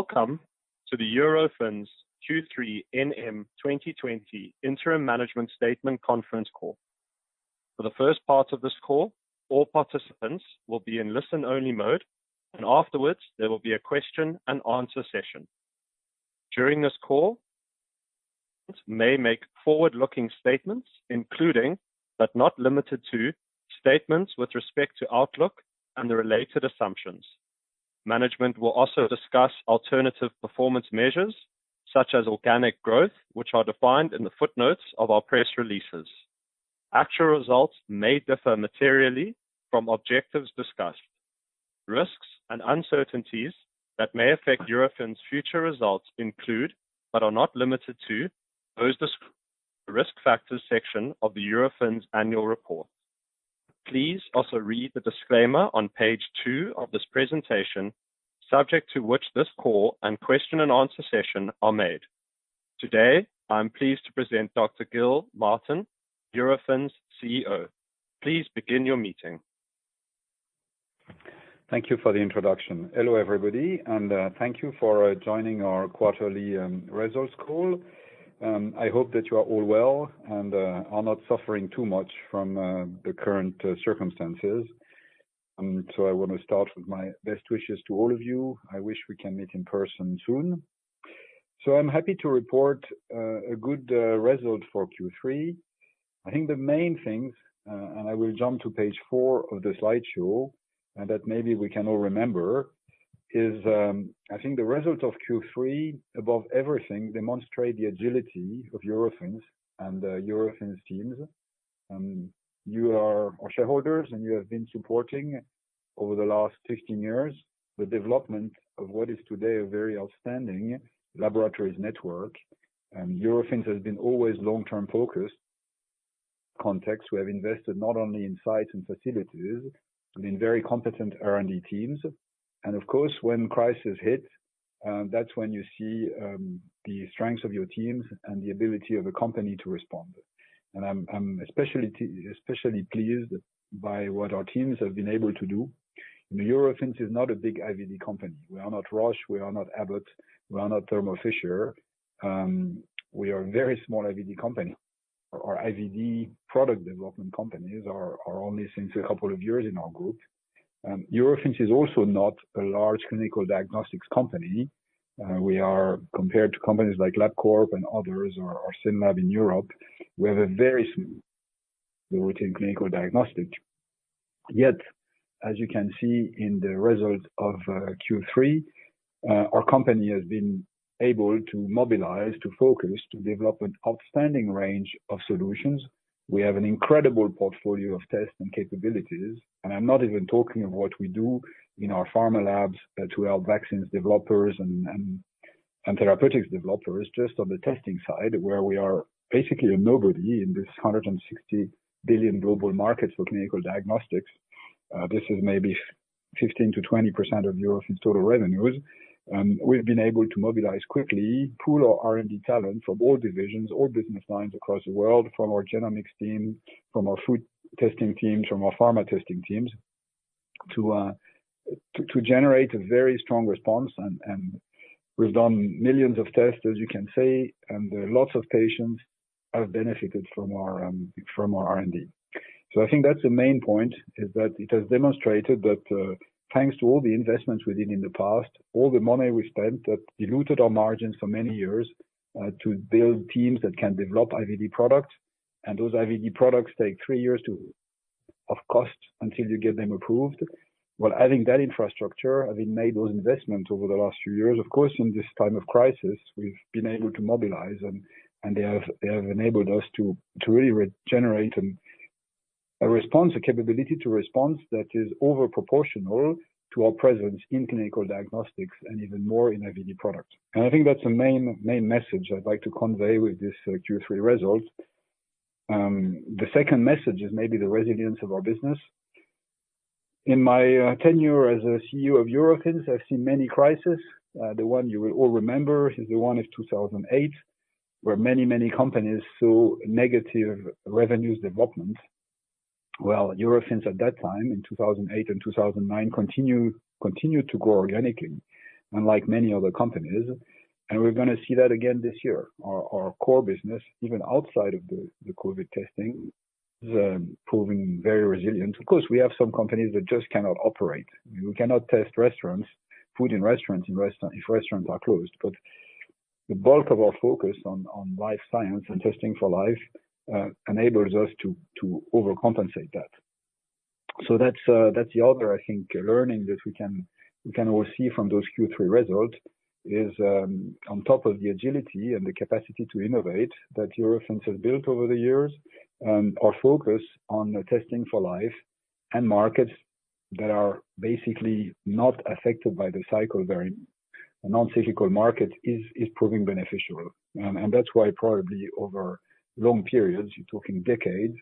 Welcome to the Eurofins Q3 NM 2020 Interim Management Statement conference call. For the first part of this call, all participants will be in listen-only mode, and afterwards, there will be a question-and-answer session. During this call, management may make forward-looking statements including, but not limited to, statements with respect to outlook and their related assumptions. Management will also discuss alternative performance measures, such as organic growth, which are defined in the footnotes of our press releases. Actual results may differ materially from objectives discussed. Risks and uncertainties that may affect Eurofins' future results include, but are not limited to, those described in the Risk Factors section of the Eurofins Annual Report. Please also read the disclaimer on page two of this presentation, subject to which this call and question-and-answer session are made. Today, I'm pleased to present Dr. Gilles Martin, Eurofins CEO. Please begin your meeting. Thank you for the introduction. Hello, everybody, and thank you for joining our quarterly results call. I hope that you are all well and are not suffering too much from the current circumstances. I want to start with my best wishes to all of you. I wish we can meet in person soon. I'm happy to report a good result for Q3. I think the main things, and I will jump to page four of the slideshow, and that maybe we can all remember is, I think the result of Q3, above everything, demonstrate the agility of Eurofins and Eurofins teams. You are our shareholders, and you have been supporting over the last 15 years the development of what is today a very outstanding laboratories network. Eurofins has been always long-term focused. In this context, we have invested not only in sites and facilities, but in very competent R&D teams. Of course, when crisis hit, that's when you see the strengths of your teams and the ability of a company to respond. I'm especially pleased by what our teams have been able to do. Eurofins is not a big IVD company. We are not Roche. We are not Abbott. We are not Thermo Fisher. We are a very small IVD company. Our IVD product development companies are only since a couple of years in our group. Eurofins is also not a large clinical diagnostics company. We are, compared to companies like LabCorp and others, or SYNLAB in Europe, we have a very small presence in clinical diagnostic. As you can see in the result of Q3, our company has been able to mobilize, to focus, to develop an outstanding range of solutions. We have an incredible portfolio of tests and capabilities, I'm not even talking of what we do in our pharma labs to help vaccines developers and therapeutics developers. Just on the testing side, where we are basically a nobody in this 160 billion global market for clinical diagnostics. This is maybe 15%-20% of Eurofins' total revenues. We've been able to mobilize quickly, pool our R&D talent from all divisions or business lines across the world, from our genomics team, from our food testing teams, from our pharma testing teams, to generate a very strong response. We've done millions of tests, as you can see, and lots of patients have benefited from our R&D. I think that's the main point, is that it has demonstrated that thanks to all the investments we did in the past, all the money we spent that diluted our margins for many years to build teams that can develop IVD products. Those IVD products take three years of cost until you get them approved. Well, having that infrastructure, having made those investments over the last few years, of course, in this time of crisis, we've been able to mobilize, and they have enabled us to really regenerate a response, a capability to respond that is over proportional to our presence in clinical diagnostics and even more in IVD product. I think that's the main message I'd like to convey with this Q3 result. The second message is maybe the resilience of our business. In my tenure as a CEO of Eurofins, I've seen many crisis. The one you will all remember is the one of 2018, where many companies saw negative revenues development. Eurofins at that time in 2018 and 2019 continued to grow organically, unlike many other companies. We're going to see that again this year. Our core business, even outside of the COVID testing, is proving very resilient. Of course, we have some companies that just cannot operate. You cannot test restaurants, food in restaurants if restaurants are closed. The bulk of our focus on life science and testing for life enables us to overcompensate that. That's the other, I think, learning that we can all see from those Q3 results is, on top of the agility and the capacity to innovate that Eurofins has built over the years, our focus on testing for life and markets that are basically not affected by the cycle, very non-cyclical market, is proving beneficial. That's why probably over long periods, you're talking decades,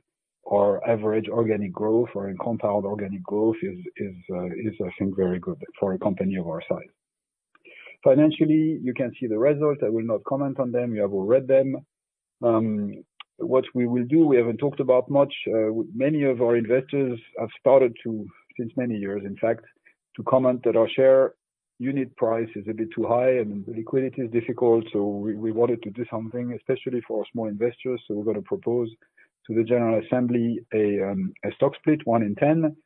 our average organic growth or in compound organic growth is, I think, very good for a company of our size. Financially, you can see the results. I will not comment on them. You have all read them. What we will do, we haven't talked about much. Many of our investors have started to, since many years, in fact, to comment that our share unit price is a bit too high and liquidity is difficult. We wanted to do something, especially for small investors. We're going to propose to the general assembly a stock split, one in 10.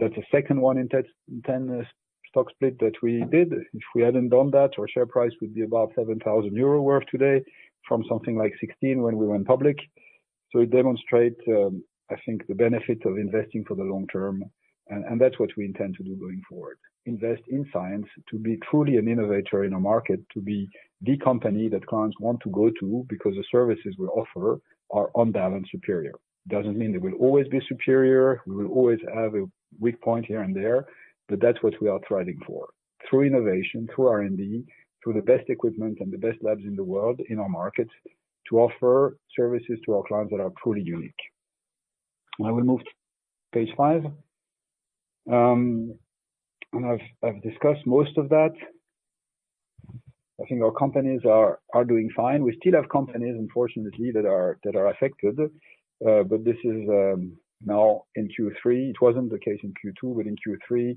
That's the second one in 10 stock split that we did. If we hadn't done that, our share price would be above 7,000 euro worth today from something like 16 when we went public. It demonstrate, I think, the benefit of investing for the long-term, and that's what we intend to do going forward. Invest in science to be truly an innovator in a market, to be the company that clients want to go to because the services we offer are on balance superior. Doesn't mean they will always be superior. We will always have a weak point here and there, but that's what we are thriving for. Through innovation, through R&D, through the best equipment and the best labs in the world, in our markets, to offer services to our clients that are truly unique. We move to page five. I've discussed most of that. I think our companies are doing fine. We still have companies, unfortunately, that are affected. This is now in Q3. It wasn't the case in Q2, but in Q3,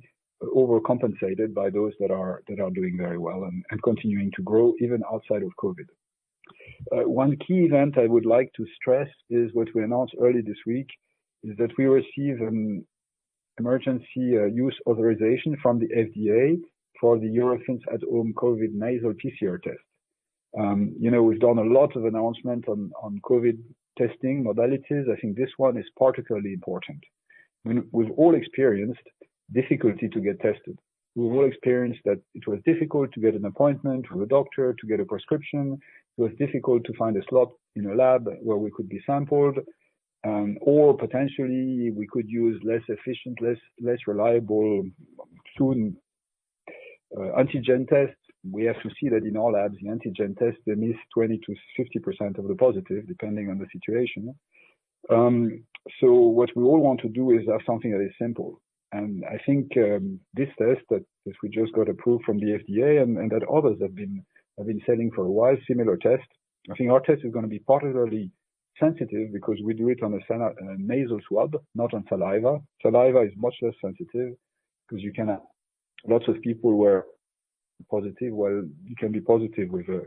overcompensated by those that are doing very well and continuing to grow, even outside of COVID. One key event I would like to stress is what we announced early this week, is that we receive an emergency use authorization from the FDA for the Eurofins At Home COVID Nasal PCR Test. We've done a lot of announcement on COVID testing modalities. I think this one is particularly important. We've all experienced difficulty to get tested. We've all experienced that it was difficult to get an appointment with a doctor to get a prescription. It was difficult to find a slot in a lab where we could be sampled. Potentially, we could use less efficient, less reliable soon antigen tests. We have to see that in all labs. The antigen test, they miss 20%-50% of the positive, depending on the situation. What we all want to do is have something that is simple. I think this test that we just got approved from the FDA and that others have been selling for a while, similar test. I think our test is going to be particularly sensitive because we do it on a nasal swab, not on saliva. Saliva is much less sensitive because lots of people were positive, well, you can be positive with a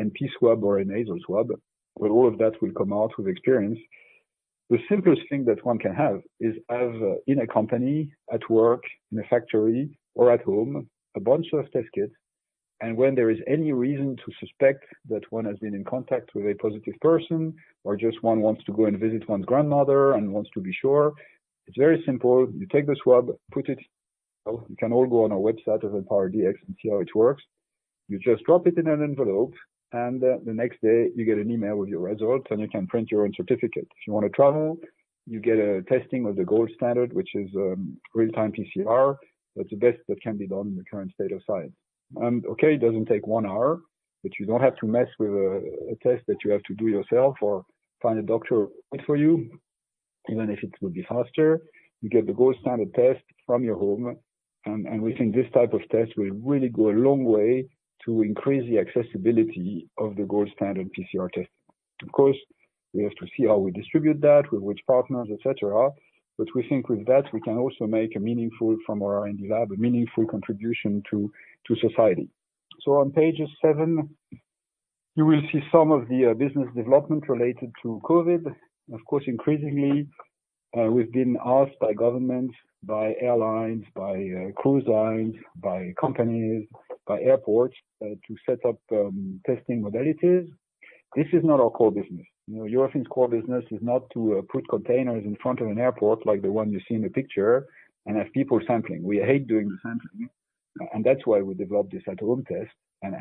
NP swab or a nasal swab. All of that will come out with experience. The simplest thing that one can have is have in a company, at work, in a factory or at home, a bunch of test kits. When there is any reason to suspect that one has been in contact with a positive person, or just one wants to go and visit one's grandmother and wants to be sure, it's very simple. You take the swab, put it. You can all go on our website of empowerDX and see how it works. You just drop it in an envelope, and the next day you get an email with your results, and you can print your own certificate. If you want to travel, you get a testing of the gold standard, which is real-time PCR. That's the best that can be done in the current state of science. It doesn't take one hour, you don't have to mess with a test that you have to do yourself or find a doctor for you, even if it will be faster. You get the gold standard test from your home, we think this type of test will really go a long way to increase the accessibility of the gold standard PCR test. Of course, we have to see how we distribute that, with which partners, et cetera. We think with that, we can also make, from our R&D lab, a meaningful contribution to society. On page seven, you will see some of the business development related to COVID. Of course, increasingly, we've been asked by governments, by airlines, by cruise lines, by companies, by airports to set up testing modalities. This is not our core business. Eurofins' core business is not to put containers in front of an airport like the one you see in the picture and have people sampling. We hate doing the sampling, and that's why we developed this at-home test.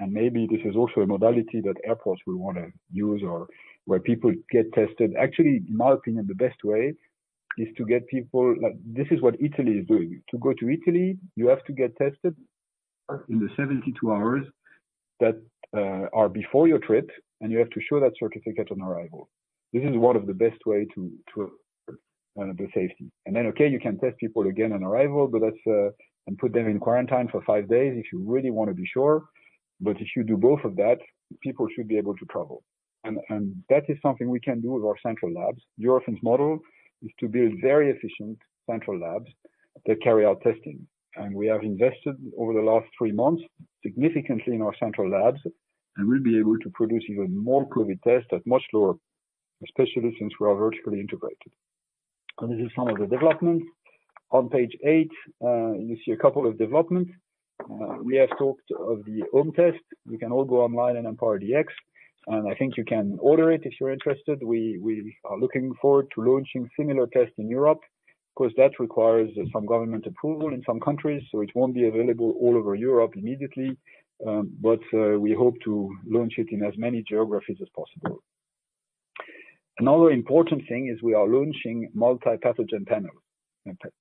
Maybe this is also a modality that airports will want to use or where people get tested. Actually, in my opinion, the best way is to get people. This is what Italy is doing. To go to Italy, you have to get tested in the 72 hours that are before your trip, and you have to show that certificate on arrival. This is one of the best way to the safety. Then, okay, you can test people again on arrival and put them in quarantine for five days if you really want to be sure. But if you do both of that, people should be able to travel. That is something we can do with our central labs. Eurofins' model is to build very efficient central labs that carry out testing. We have invested over the last three months significantly in our central labs, and we'll be able to produce even more COVID tests at much lower, especially since we are vertically integrated. This is some of the developments. On page eight, you see a couple of developments. We have talked of the home test. You can all go online on empowerDX, and I think you can order it if you're interested. We are looking forward to launching similar tests in Europe. Of course, that requires some government approval in some countries, so it won't be available all over Europe immediately. We hope to launch it in as many geographies as possible. Another important thing is we are launching multi-pathogen panels.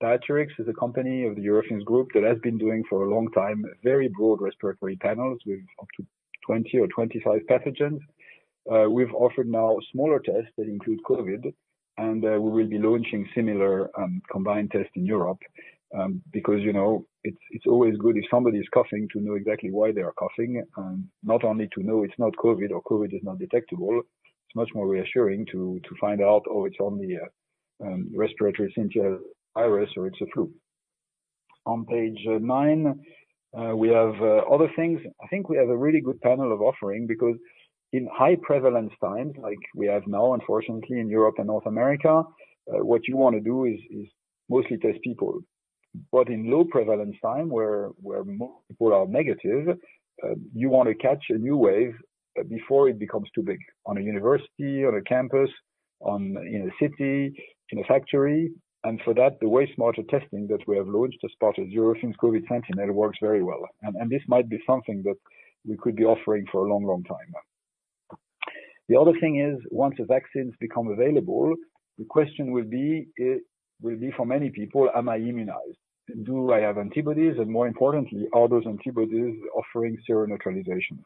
Diatherix is a company of the Eurofins group that has been doing for a long time, very broad respiratory panels with up to 20 or 25 pathogens. We've offered now smaller tests that include COVID, and we will be launching similar combined tests in Europe. It's always good if somebody's coughing to know exactly why they are coughing. Not only to know it's not COVID or COVID is not detectable. It's much more reassuring to find out, "Oh, it's only a respiratory syncytial virus, or it's a flu." On page nine, we have other things. I think we have a really good panel of offering because in high prevalence times like we have now, unfortunately, in Europe and North America, what you want to do is mostly test people. In low prevalence time, where more people are negative, you want to catch a new wave before it becomes too big on a university, on a campus, in a city, in a factory. For that, the Wastewater testing that we have launched as part of Eurofins COVID-19 Sentinel works very well. This might be something that we could be offering for a long, long time. The other thing is, once the vaccines become available, the question will be for many people: am I immunized? Do I have antibodies? More importantly, are those antibodies offering seroneutralization?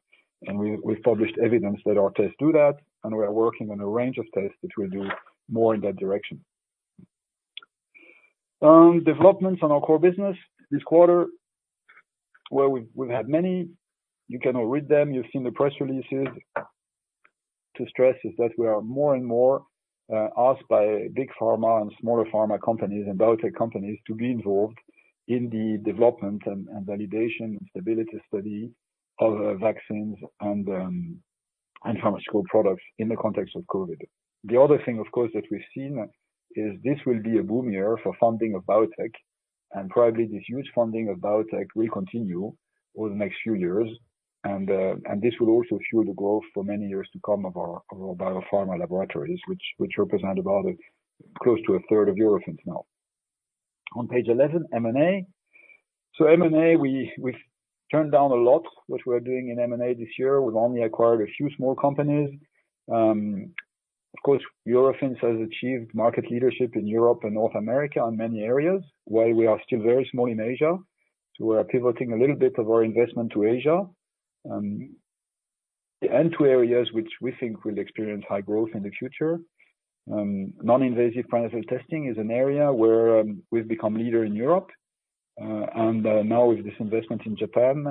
We've published evidence that our tests do that, and we are working on a range of tests which will do more in that direction. Developments on our core business this quarter, where we've had many. You can all read them. You've seen the press releases. To stress is that we are more and more asked by big pharma and smaller pharma companies and biotech companies to be involved in the development and validation and stability study of vaccines and pharmaceutical products in the context of COVID. The other thing, of course, that we've seen is this will be a boom year for funding of biotech. Probably this huge funding of biotech will continue over the next few years. This will also fuel the growth for many years to come of our biopharma laboratories, which represent about close to a third of Eurofins now. On page 11, M&A. M&A, we've turned down a lot, which we are doing in M&A this year. We've only acquired a few small companies. Of course, Eurofins has achieved market leadership in Europe and North America on many areas, while we are still very small in Asia. We're pivoting a little bit of our investment to Asia. To areas which we think will experience high growth in the future. Non-invasive prenatal testing is an area where we've become leader in Europe. Now with this investment in Japan,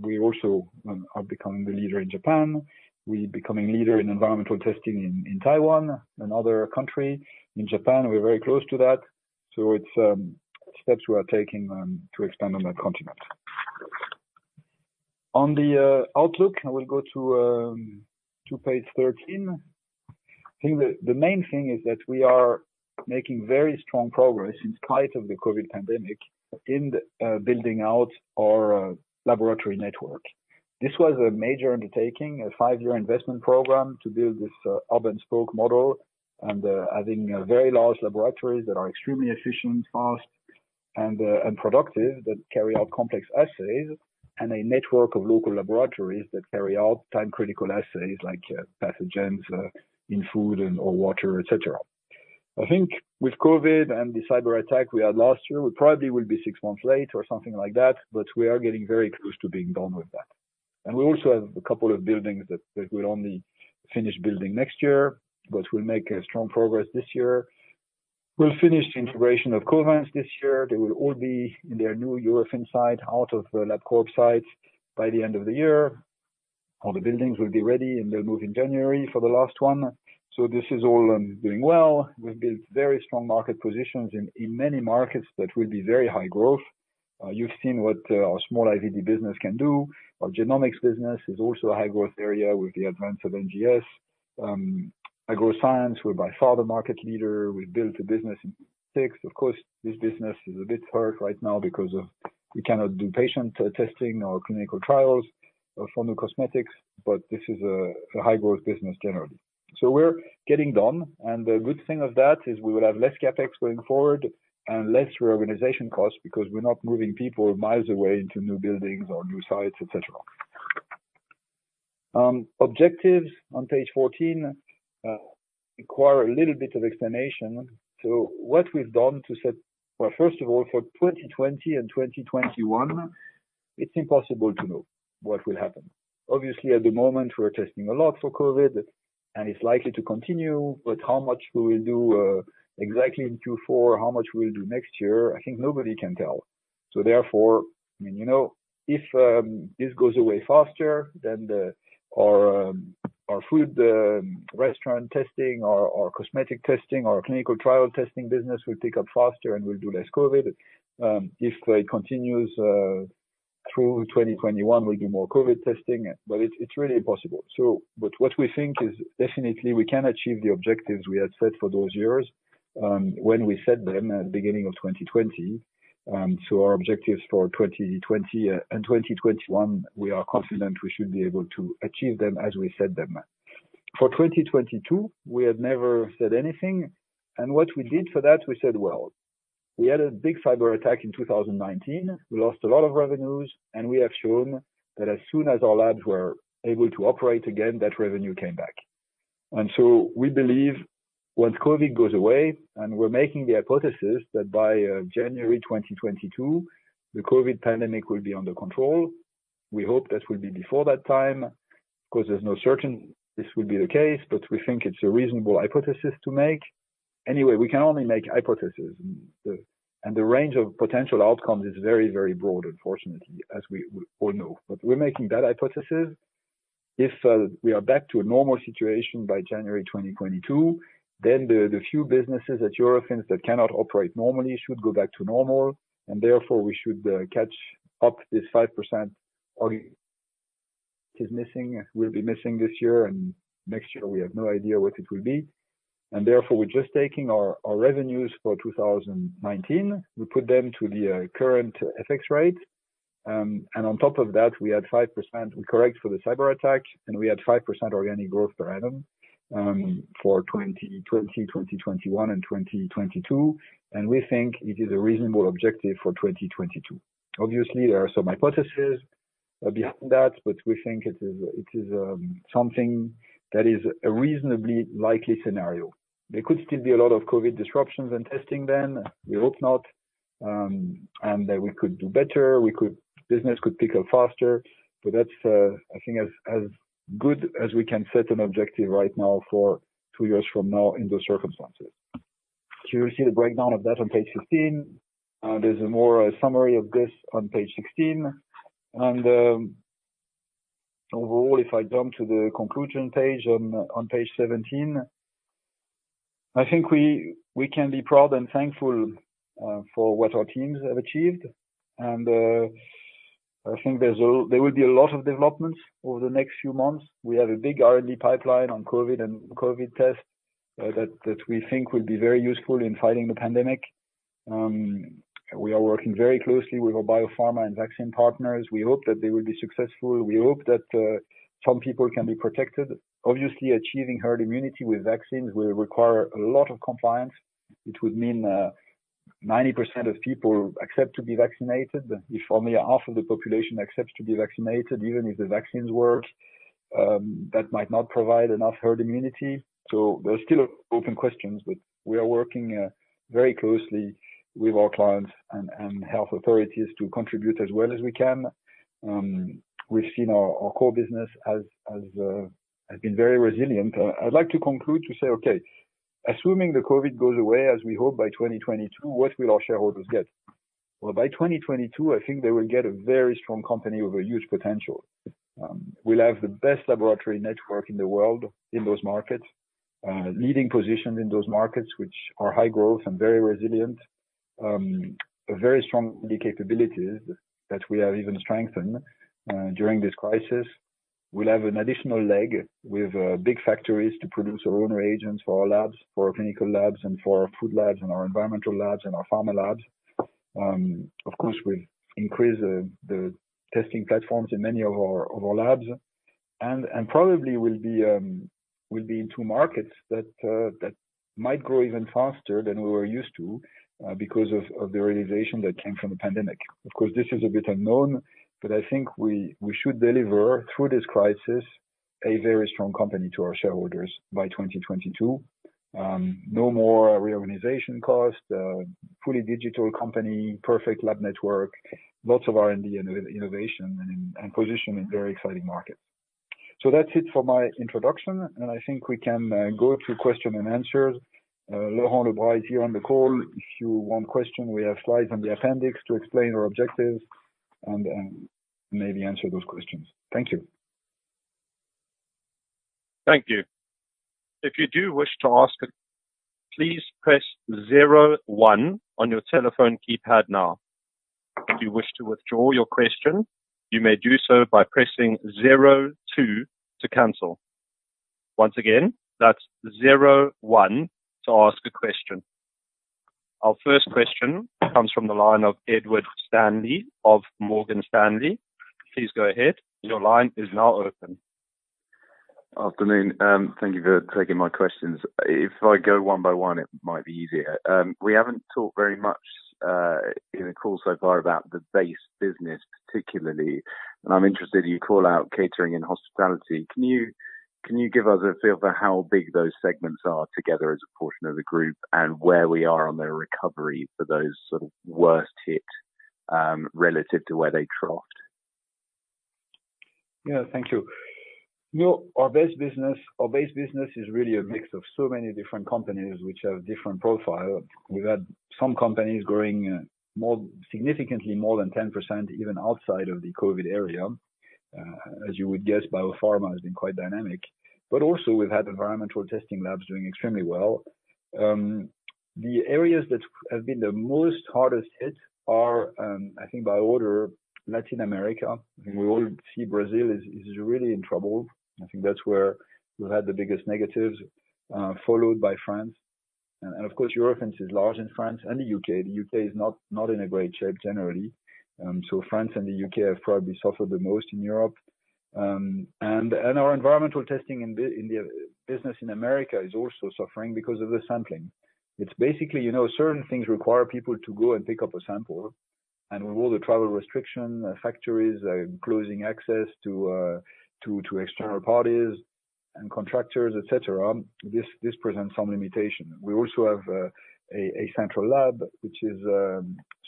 we also are becoming the leader in Japan. We're becoming leader in environmental testing in Taiwan and other country. In Japan, we're very close to that. It's steps we are taking to expand on that continent. On the outlook, I will go to page 13. The main thing is that we are making very strong progress in spite of the COVID pandemic in building out our laboratory network. This was a major undertaking, a five-year investment program to build this hub and spoke model and adding very large laboratories that are extremely efficient, fast, and productive, that carry out complex assays, and a network of local laboratories that carry out time-critical assays like pathogens in food or water, et cetera. I think with COVID and the cyber attack we had last year, we probably will be six months late or something like that, but we are getting very close to being done with that. We also have a couple of buildings that we'll only finish building next year, but we'll make a strong progress this year. We'll finish the integration of Covance this year. They will all be in their new Eurofins site out of the LabCorp site by the end of the year. All the buildings will be ready, and they'll move in January for the last one. This is all doing well. We've built very strong market positions in many markets that will be very high growth. You've seen what our small IVD business can do. Our genomics business is also a high-growth area with the advance of NGS. Agroscience, we're by far the market leader. We've built a business in six. Of course, this business is a bit hurt right now because of we cannot do patient testing or clinical trials for new cosmetics. This is a high-growth business generally. We're getting done, and the good thing of that is we will have less CapEx going forward and less reorganization costs because we're not moving people miles away into new buildings or new sites, et cetera. Objectives on page 14 require a little bit of explanation. What we've done, well, first of all, for 2020 and 2021, it's impossible to know what will happen. Obviously, at the moment, we're testing a lot for COVID, and it's likely to continue, but how much we will do exactly in Q4, how much we'll do next year, I think nobody can tell. Therefore, if this goes away faster, then our food restaurant testing or our cosmetic testing or our clinical trial testing business will pick up faster and we'll do less COVID. If it continues through 2021, we'll do more COVID testing. It's really impossible. What we think is definitely we can achieve the objectives we had set for those years when we set them at the beginning of 2020. Our objectives for 2020 and 2021, we are confident we should be able to achieve them as we set them. For 2022, we had never said anything. What we did for that, we said, "Well, we had a big cyber attack in 2019. We lost a lot of revenues, and we have shown that as soon as our labs were able to operate again, that revenue came back." We believe once COVID goes away, and we're making the hypothesis that by January 2022, the COVID pandemic will be under control. We hope this will be before that time because there's no certainty this will be the case, but we think it's a reasonable hypothesis to make. Anyway, we can only make hypothesis, and the range of potential outcomes is very broad, unfortunately, as we all know. We're making that hypothesis. If we are back to a normal situation by January 2022, then the few businesses at Eurofins that cannot operate normally should go back to normal, and therefore we should catch up this 5% organic that will be missing this year, and next year, we have no idea what it will be. Therefore, we're just taking our revenues for 2019. We put them to the current FX rate. On top of that, we add 5%, we correct for the cyber attack, and we add 5% organic growth per annum for 2020, 2021, and 2022, and we think it is a reasonable objective for 2022. Obviously, there are some hypotheses behind that, but we think it is something that is a reasonably likely scenario. There could still be a lot of COVID disruptions and testing then, we hope not, and that we could do better, business could pick up faster. That's, I think, as good as we can set an objective right now for two years from now in those circumstances. You will see the breakdown of that on page 15. There's more a summary of this on page 16. Overall, if I jump to the conclusion page on page 17, I think we can be proud and thankful for what our teams have achieved. I think there will be a lot of developments over the next few months. We have a big R&D pipeline on COVID and COVID tests that we think will be very useful in fighting the pandemic. We are working very closely with our biopharma and vaccine partners. We hope that they will be successful. We hope that some people can be protected. Obviously, achieving herd immunity with vaccines will require a lot of compliance, which would mean 90% of people accept to be vaccinated. If only half of the population accepts to be vaccinated, even if the vaccines work, that might not provide enough herd immunity. There's still open questions, but we are working very closely with our clients and health authorities to contribute as well as we can. We've seen our core business has been very resilient. I'd like to conclude to say, okay, assuming the COVID goes away, as we hope by 2022, what will our shareholders get? Well, by 2022, I think they will get a very strong company with a huge potential. We'll have the best laboratory network in the world in those markets, leading positions in those markets, which are high growth and very resilient. A very strong R&D capabilities that we have even strengthened during this crisis. We'll have an additional leg with big factories to produce our own reagents for our labs, for our clinical labs and for our food labs and our environmental labs and our pharma labs. We've increased the testing platforms in many of our labs. Probably we'll be in two markets that might grow even faster than we were used to because of the realization that came from the pandemic. This is a bit unknown, I think we should deliver, through this crisis, a very strong company to our shareholders by 2022. No more reorganization costs, fully digital company, perfect lab network, lots of R&D and innovation and position in very exciting markets. That's it for my introduction, I think we can go to question and answers. Laurent Lebras is here on the call. If you want question, we have slides on the appendix to explain our objectives and maybe answer those questions. Thank you. Thank you. Our first question comes from the line of Edward Stanley of Morgan Stanley. Please go ahead. Your line is now open. Afternoon. Thank you for taking my questions. If I go one by one, it might be easier. We haven't talked very much in the call so far about the base business particularly, and I'm interested, you call out catering and hospitality. Can you give us a feel for how big those segments are together as a portion of the group and where we are on their recovery for those sort of worst hit, relative to where they dropped? Thank you. Our base business is really a mix of so many different companies which have different profile. We've had some companies growing significantly more than 10%, even outside of the COVID area. As you would guess, biopharma has been quite dynamic. Also we've had environmental testing labs doing extremely well. The areas that have been the most hardest hit are, I think by order, Latin America. I think we all see Brazil is really in trouble. I think that's where we've had the biggest negatives, followed by France. Of course, Eurofins is large in France and the U.K. The U.K. is not in a great shape generally. France and the U.K. have probably suffered the most in Europe. Our environmental testing business in the U.S. is also suffering because of the sampling. It's basically certain things require people to go and pick up a sample. With all the travel restriction, factories closing access to external parties and contractors, et cetera, this presents some limitation. We also have a central lab, which is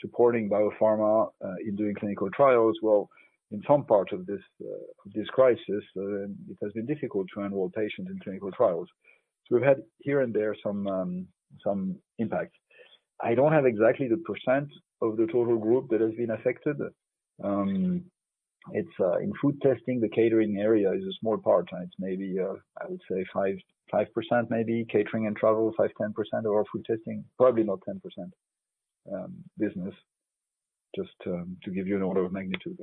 supporting biopharma in doing clinical trials. Well, in some parts of this crisis, it has been difficult to enroll patients in clinical trials. We've had here and there some impact. I don't have exactly the % of the total group that has been affected. In food testing, the catering area is a small part. It's maybe, I would say, 5% maybe catering and travel, 5%-10%, or food testing, probably about 10% business, just to give you an order of magnitude.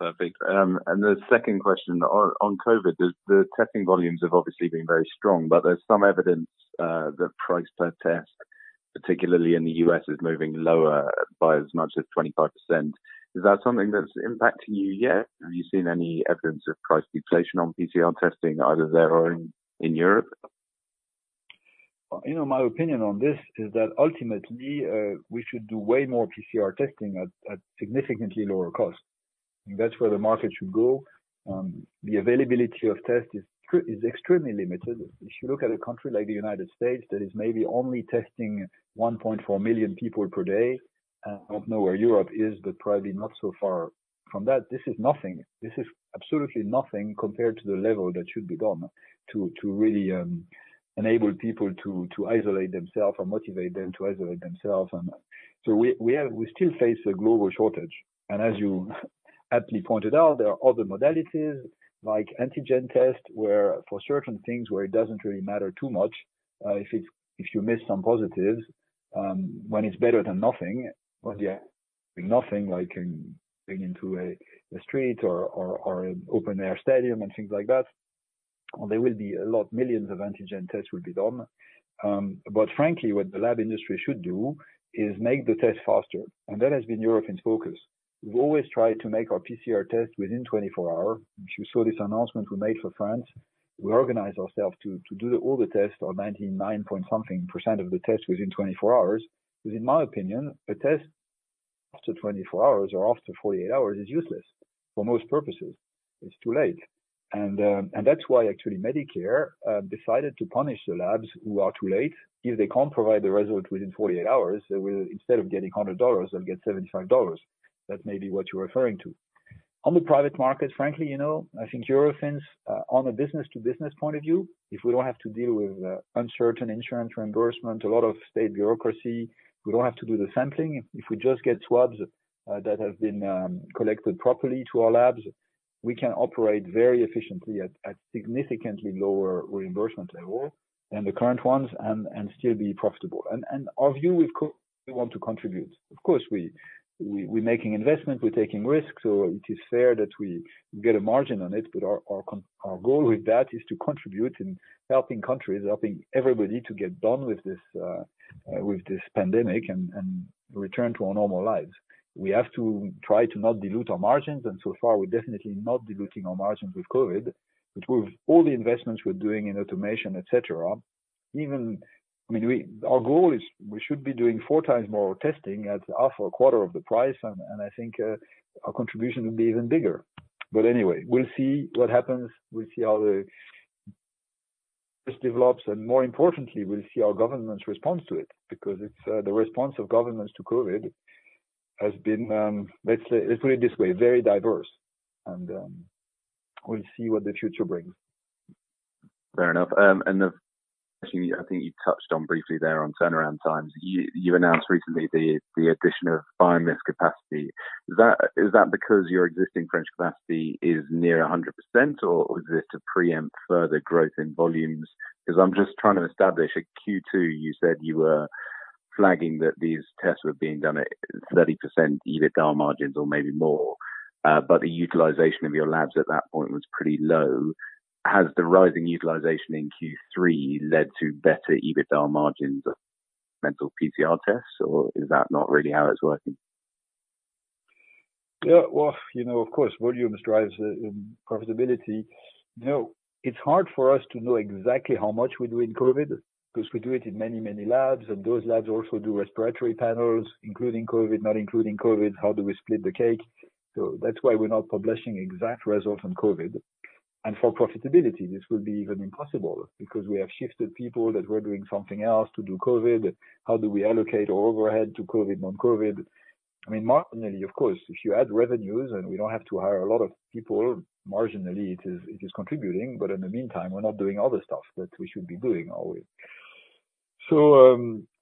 Perfect. The second question on COVID. The testing volumes have obviously been very strong, but there's some evidence the price per test, particularly in the U.S., is moving lower by as much as 25%. Is that something that's impacting you yet? Have you seen any evidence of price deflation on PCR testing, either there or in Europe? My opinion on this is that ultimately, we should do way more PCR testing at significantly lower cost. That's where the market should go. The availability of tests is extremely limited. If you look at a country like the U.S. that is maybe only testing 1.4 million people per day. I don't know where Europe is, probably not so far from that. This is nothing. This is absolutely nothing compared to the level that should be done to really enable people to isolate themselves or motivate them to isolate themselves. We still face a global shortage. As you aptly pointed out, there are other modalities like antigen tests, where for certain things, where it doesn't really matter too much if you miss some positives, when it's better than nothing. Yeah, nothing like being into a street or an open-air stadium and things like that. Millions of antigen tests will be done. Frankly, what the lab industry should do is make the test faster. That has been Eurofins' focus. We've always tried to make our PCR test within 24 hours, which you saw this announcement we made for France. We organize ourselves to do all the tests or 99% of the tests within 24 hours. In my opinion, a test after 24 hours or after 48 hours is useless for most purposes. It's too late. That's why actually Medicare decided to punish the labs who are too late. If they can't provide the results within 48 hours, instead of getting EUR 100, they'll get EUR 75. That may be what you're referring to. On the private market, frankly, I think Eurofins, on a business-to-business point of view, if we don't have to deal with uncertain insurance reimbursement, a lot of state bureaucracy, we don't have to do the sampling. If we just get swabs that have been collected properly to our labs, we can operate very efficiently at significantly lower reimbursement level than the current ones and still be profitable. Our view, we want to contribute. Of course, we're making investment, we're taking risks, it is fair that we get a margin on it. Our goal with that is to contribute in helping countries, helping everybody to get done with this pandemic and return to our normal lives. We have to try to not dilute our margins, so far, we're definitely not diluting our margins with COVID. With all the investments we're doing in automation, et cetera, our goal is we should be doing four times more testing at half or a quarter of the price, and I think our contribution will be even bigger. Anyway, we'll see what happens. We'll see how this develops, and more importantly, we'll see our government's response to it. The response of governments to COVID has been, let's put it this way, very diverse. We'll see what the future brings. Fair enough. The question I think you touched on briefly there on turnaround times. You announced recently the addition of bioMérieux capacity. Is that because your existing French capacity is near 100%, or is it to preempt further growth in volumes? I'm just trying to establish at Q2, you said you were flagging that these tests were being done at 30% EBITDA margins or maybe more. The utilization of your labs at that point was pretty low. Has the rising utilization in Q3 led to better EBITDA margins of many PCR tests, or is that not really how it's working? Yeah. Well, of course, volumes drives profitability. It's hard for us to know exactly how much we do in COVID because we do it in many, many labs, and those labs also do respiratory panels, including COVID, not including COVID. How do we split the cake? That's why we're not publishing exact results on COVID. For profitability, this will be even impossible because we have shifted people that were doing something else to do COVID. How do we allocate our overhead to COVID, non-COVID? Marginally, of course, if you add revenues and we don't have to hire a lot of people, marginally, it is contributing. In the meantime, we're not doing other stuff that we should be doing, are we?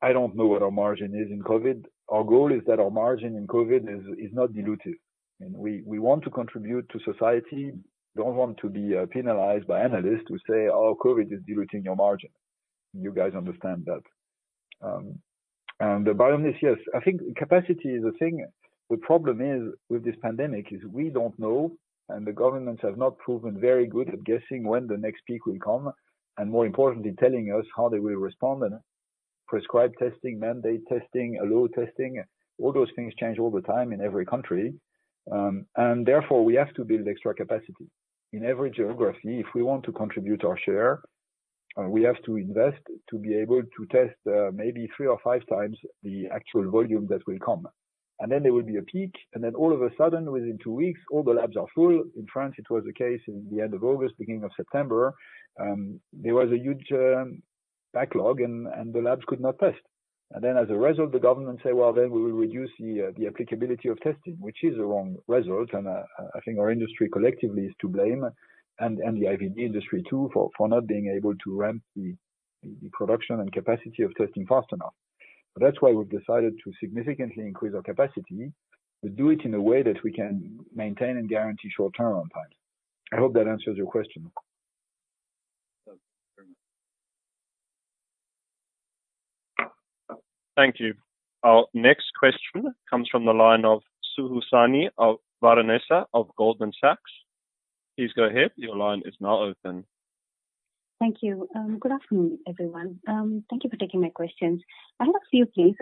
I don't know what our margin is in COVID. Our goal is that our margin in COVID is not dilutive, and we want to contribute to society. We don't want to be penalized by analysts who say, "Oh, COVID is diluting your margin." You guys understand that. The bioMérieux, yes, I think capacity is a thing. The problem is with this pandemic is we don't know, and the governments have not proven very good at guessing when the next peak will come, and more importantly, telling us how they will respond and prescribe testing, mandate testing, allow testing. All those things change all the time in every country. Therefore, we have to build extra capacity. In every geography, if we want to contribute our share, we have to invest to be able to test maybe three or five times the actual volume that will come. There will be a peak, and then all of a sudden, within two weeks, all the labs are full. In France, it was the case in the end of August, beginning of September. There was a huge backlog, and the labs could not test. As a result, the government say, "Well, then we will reduce the applicability of testing," which is the wrong result. I think our industry collectively is to blame and the IVD industry too, for not being able to ramp the production and capacity of testing fast enough. That's why we've decided to significantly increase our capacity, but do it in a way that we can maintain and guarantee short turnaround times. I hope that answers your question. Thank you very much. Thank you. Our next question comes from the line of Suhasini Varanasi of Goldman Sachs. Please go ahead. Thank you. Good afternoon, everyone. Thank you for taking my questions. I have a few, please.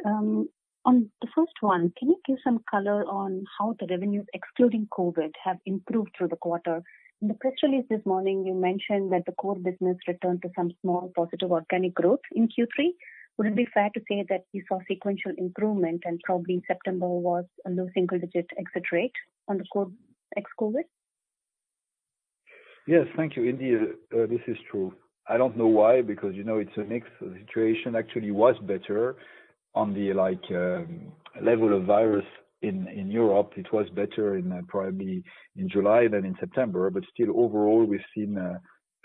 On the first one, can you give some color on how the revenues excluding COVID have improved through the quarter? In the press release this morning, you mentioned that the core business returned to some small positive organic growth in Q3. Would it be fair to say that you saw sequential improvement and probably September was a low single-digit exit rate on the core ex-COVID? Yes. Thank you, Suhasini. This is true. I don't know why, because it's a mixed situation. Actually, it was better on the level of virus in Europe. It was better probably in July than in September. Still overall, we've seen a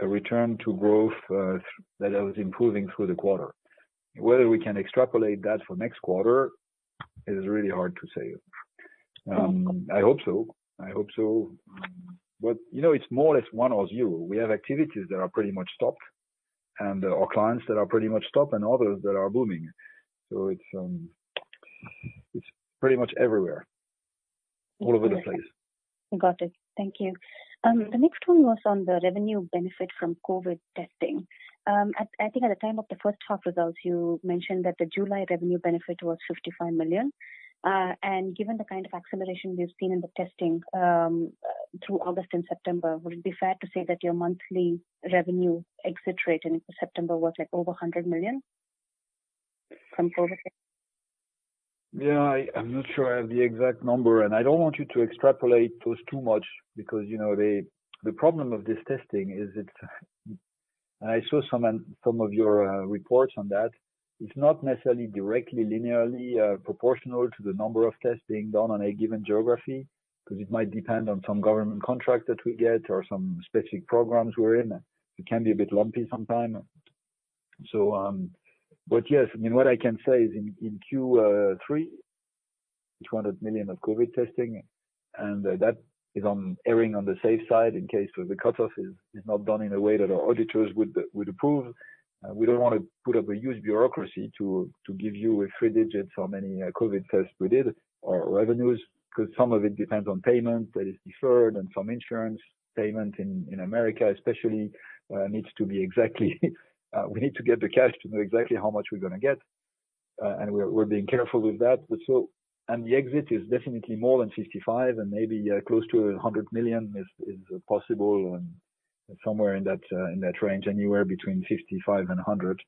return to growth that was improving through the quarter. Whether we can extrapolate that for next quarter is really hard to say. I hope so. It's more or less one of you. We have activities that are pretty much stopped, and our clients that are pretty much stopped and others that are booming. It's pretty much everywhere, all over the place. Got it. Thank you. The next one was on the revenue benefit from COVID testing. I think at the time of the first half results, you mentioned that the July revenue benefit was 55 million. Given the kind of acceleration we've seen in the testing through August and September, would it be fair to say that your monthly revenue exit rate in September was over 100 million from COVID? Yeah. I'm not sure I have the exact number, and I don't want you to extrapolate those too much because the problem of this testing is I saw some of your reports on that. It's not necessarily directly linearly proportional to the number of tests being done on a given geography, because it might depend on some government contract that we get or some specific programs we're in. It can be a bit lumpy sometime. Yes, what I can say is in Q3, 200 million of COVID testing, and that is erring on the safe side in case the cutoff is not done in a way that our auditors would approve. We don't want to put up a huge bureaucracy to give you a three digits how many COVID tests we did or revenues, because some of it depends on payment that is deferred and some insurance payment in America especially, needs to be exactly we need to get the cash to know exactly how much we're going to get. We're being careful with that. The exit is definitely more than 55 and maybe close to 100 million is possible and somewhere in that range, anywhere between 55 and 100.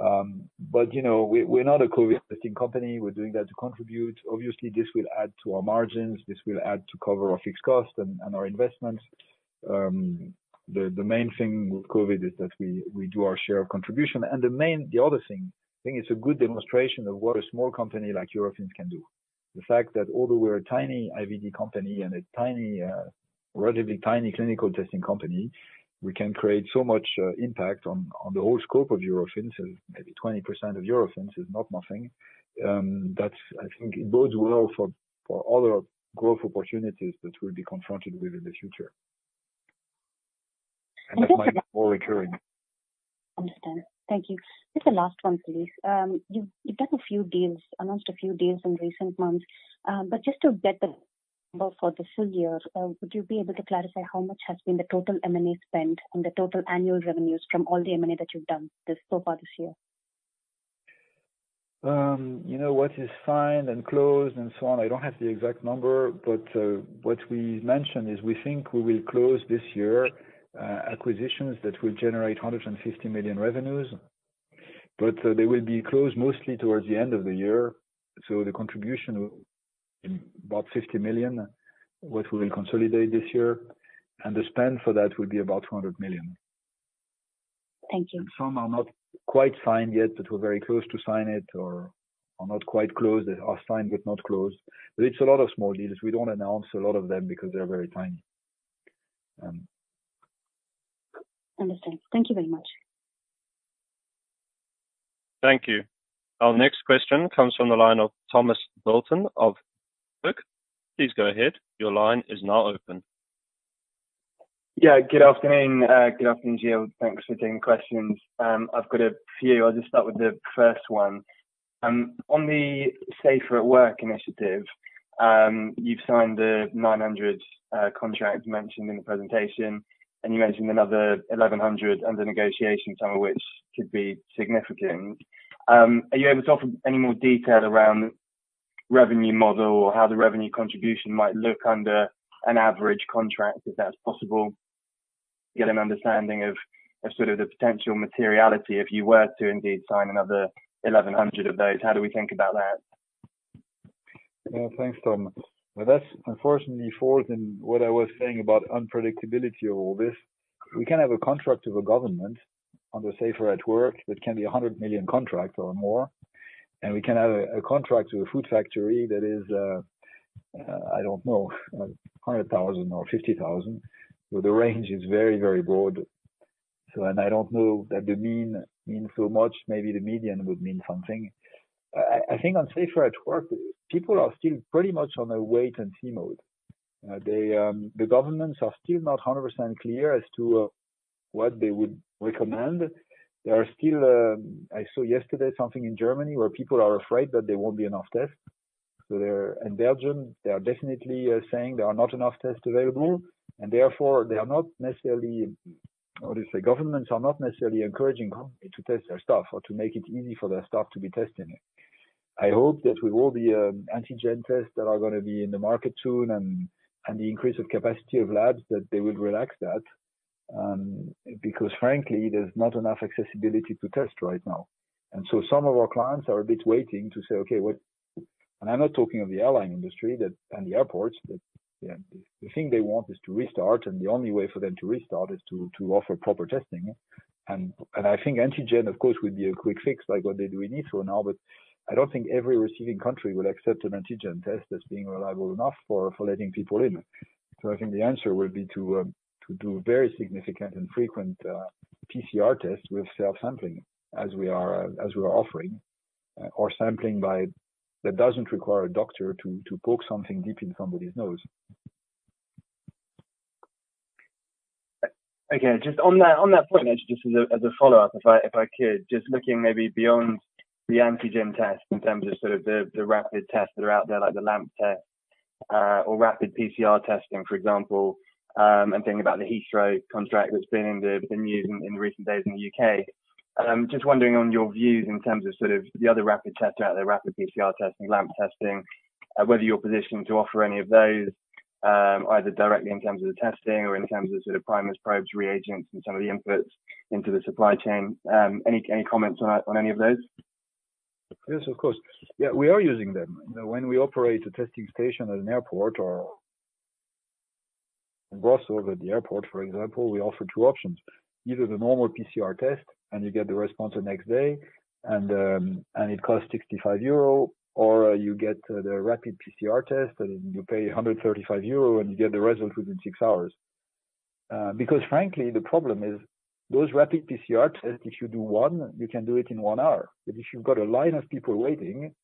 We're not a COVID testing company. We're doing that to contribute. Obviously, this will add to our margins. This will add to cover our fixed cost and our investments. The main thing with COVID is that we do our share of contribution. The other thing, I think it's a good demonstration of what a small company like Eurofins can do. The fact that although we're a tiny IVD company and a relatively tiny clinical testing company, we can create so much impact on the whole scope of Eurofins, maybe 20% of Eurofins is not nothing. I think it bodes well for other growth opportunities that we'll be confronted with in the future. That might be more recurring. Understand. Thank you. Just the last one, please. Just to get the number for the full-year, would you be able to clarify how much has been the total M&A spend and the total annual revenues from all the M&A that you've done this so far this year? What is signed and closed and so on, I don't have the exact number, but what we mentioned is we think we will close this year acquisitions that will generate 150 million revenues. They will be closed mostly towards the end of the year. The contribution will be about 50 million, what we will consolidate this year. The spend for that would be about 200 million. Thank you. Some are not quite signed yet, but we're very close to sign it or are not quite closed. They are signed but not closed. It's a lot of small deals. We don't announce a lot of them because they're very tiny. Understand. Thank you very much. Thank you. Our next question comes from the line of Thomas Bolton of. Please go ahead. Your line is now open. Yeah. Good afternoon. Good afternoon, Gilles. Thanks for taking questions. I've got a few. I'll just start with the first one. On the SAFER@WORK initiative, you've signed the 900 contracts mentioned in the presentation, and you mentioned another 1,100 under negotiation, some of which could be significant. Are you able to offer any more detail around revenue model or how the revenue contribution might look under an average contract, if that's possible? Get an understanding of sort of the potential materiality if you were to indeed sign another 1,100 of those. How do we think about that? Thanks, Tom. That's unfortunately forth in what I was saying about unpredictability of all this. We can have a contract with a government on the SAFER@WORK that can be a 100 million contract or more. We can have a contract with a food factory that is, I don't know, 100,000 or 50,000. The range is very broad. I don't know that the mean means so much. Maybe the median would mean something. I think on SAFER@WORK, people are still pretty much on a wait and see mode. The governments are still not 100% clear as to what they would recommend. I saw yesterday something in Germany where people are afraid that there won't be enough tests. In Belgium, they are definitely saying there are not enough tests available, and therefore, governments are not necessarily encouraging companies to test their staff or to make it easy for their staff to be tested. I hope that with all the antigen tests that are going to be in the market soon and the increase of capacity of labs, that they will relax that. Frankly, there's not enough accessibility to test right now. Some of our clients are a bit waiting to say, "Okay, what." I'm not talking of the airline industry and the airports, that the thing they want is to restart, and the only way for them to restart is to offer proper testing. I think antigen, of course, would be a quick fix like what they do in Israel now. I don't think every receiving country will accept an antigen test as being reliable enough for letting people in. I think the answer would be to do very significant and frequent PCR tests with self-sampling as we are offering, or sampling that doesn't require a doctor to poke something deep in somebody's nose. Okay. Just on that point, just as a follow-up, if I could. Just looking maybe beyond the antigen test in terms of sort of the rapid tests that are out there, like the LAMP test, or rapid PCR testing, for example, and thinking about the Heathrow contract that's been in the news in recent days in the U.K. Just wondering on your views in terms of sort of the other rapid tests out there, rapid PCR testing, LAMP testing, whether you're positioned to offer any of those, either directly in terms of the testing or in terms of sort of primers, probes, reagents, and some of the inputs into the supply chain. Any comments on any of those? Yes, of course. Yeah, we are using them. When we operate a testing station at an airport or in Brussels at the airport, for example, we offer two options, either the normal PCR test and you get the response the next day and it costs 65 euro, or you get the rapid PCR test and you pay 135 euro and you get the results within six hours. Frankly, the problem is those rapid PCR tests, if you do one, you can do it in one hour. If you've got a line of people waiting,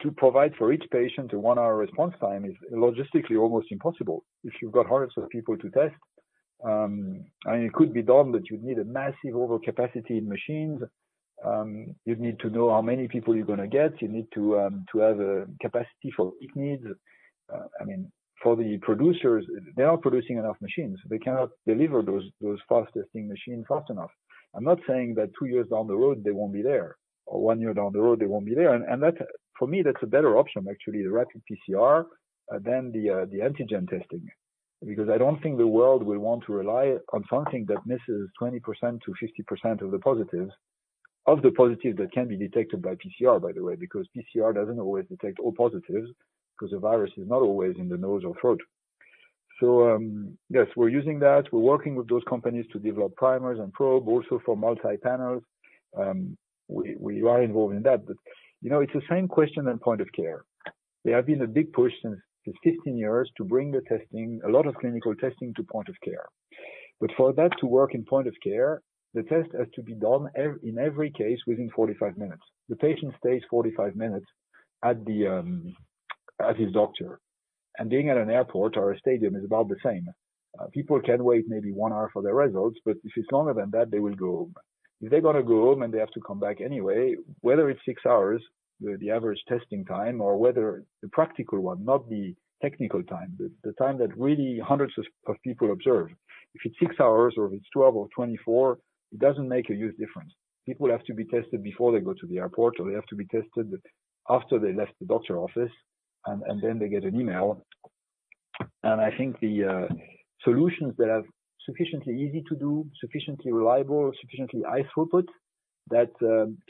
to provide for each patient a one-hour response time is logistically almost impossible if you've got hundreds of people to test. It could be done, but you'd need a massive overcapacity in machines. You'd need to know how many people you're going to get. You need to have a capacity for peak needs. For the producers, they are not producing enough machines. They cannot deliver those fast testing machines fast enough. I'm not saying that two years down the road, they won't be there, or one year down the road they won't be there. That for me, that's a better option, actually, the rapid PCR than the antigen testing. I don't think the world will want to rely on something that misses 20% to 50% of the positives, of the positives that can be detected by PCR, by the way, because PCR doesn't always detect all positives because the virus is not always in the nose or throat. Yes, we're using that. We're working with those companies to develop primers and probe also for multi-panels. We are involved in that. It's the same question on point of care. There have been a big push since 15 years to bring a lot of clinical testing to point of care. For that to work in point of care, the test has to be done in every case within 45 minutes. The patient stays 45 minutes at his doctor. Being at an airport or a stadium is about the same. People can wait maybe one hour for their results, but if it's longer than that, they will go home. If they're going to go home and they have to come back anyway, whether it's six hours, the average testing time, or whether the practical one, not the technical time, the time that really hundreds of people observe. If it's six hours or if it's 12 or 24, it doesn't make a huge difference. People have to be tested before they go to the airport, or they have to be tested after they left the doctor office, and then they get an email. I think the solutions that are sufficiently easy to do, sufficiently reliable, sufficiently high throughput, that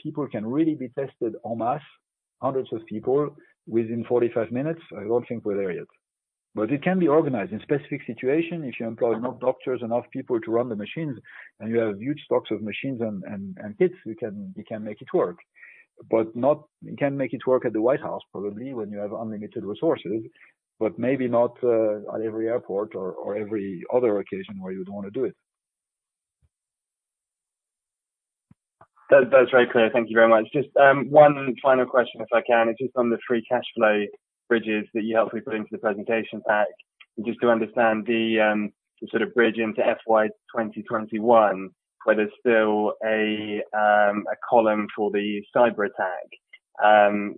people can really be tested en masse, hundreds of people within 45 minutes, I don't think we're there yet. It can be organized. In specific situation, if you employ enough doctors, enough people to run the machines, and you have huge stocks of machines and kits, you can make it work. You can make it work at the White House, probably, when you have unlimited resources, but maybe not at every airport or every other occasion where you would want to do it. That's very clear. Thank you very much. One final question, if I can. On the free cash flow bridges that you helpfully put into the presentation pack. To understand the sort of bridge into FY2021, where there's still a column for the cyber attack.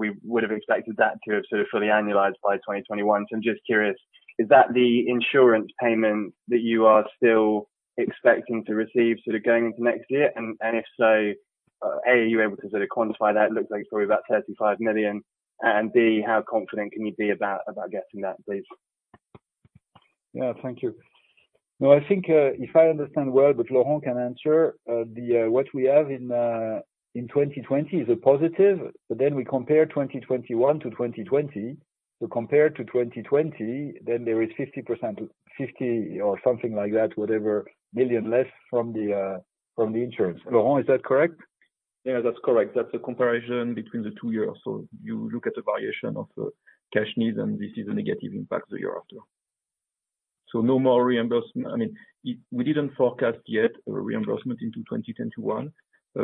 We would have expected that to have sort of fully annualized by 2021. I'm curious, is that the insurance payment that you are still expecting to receive sort of going into next year? If so, A. Are you able to sort of quantify that? It looks like it's probably about 35 million. B. How confident can you be about getting that, please? Yeah. Thank you. I think if I understand well, but Laurent can answer, what we have in 2020 is a positive, but then we compare 2021 to 2020. We compare to 2020, then there is 50 or something like that, whatever, million less from the insurance. Laurent, is that correct? Yeah, that's correct. That's a comparison between the two years. You look at the variation of the cash needs, and this is a negative impact the year after. No more reimbursement. We didn't forecast yet a reimbursement into 2021.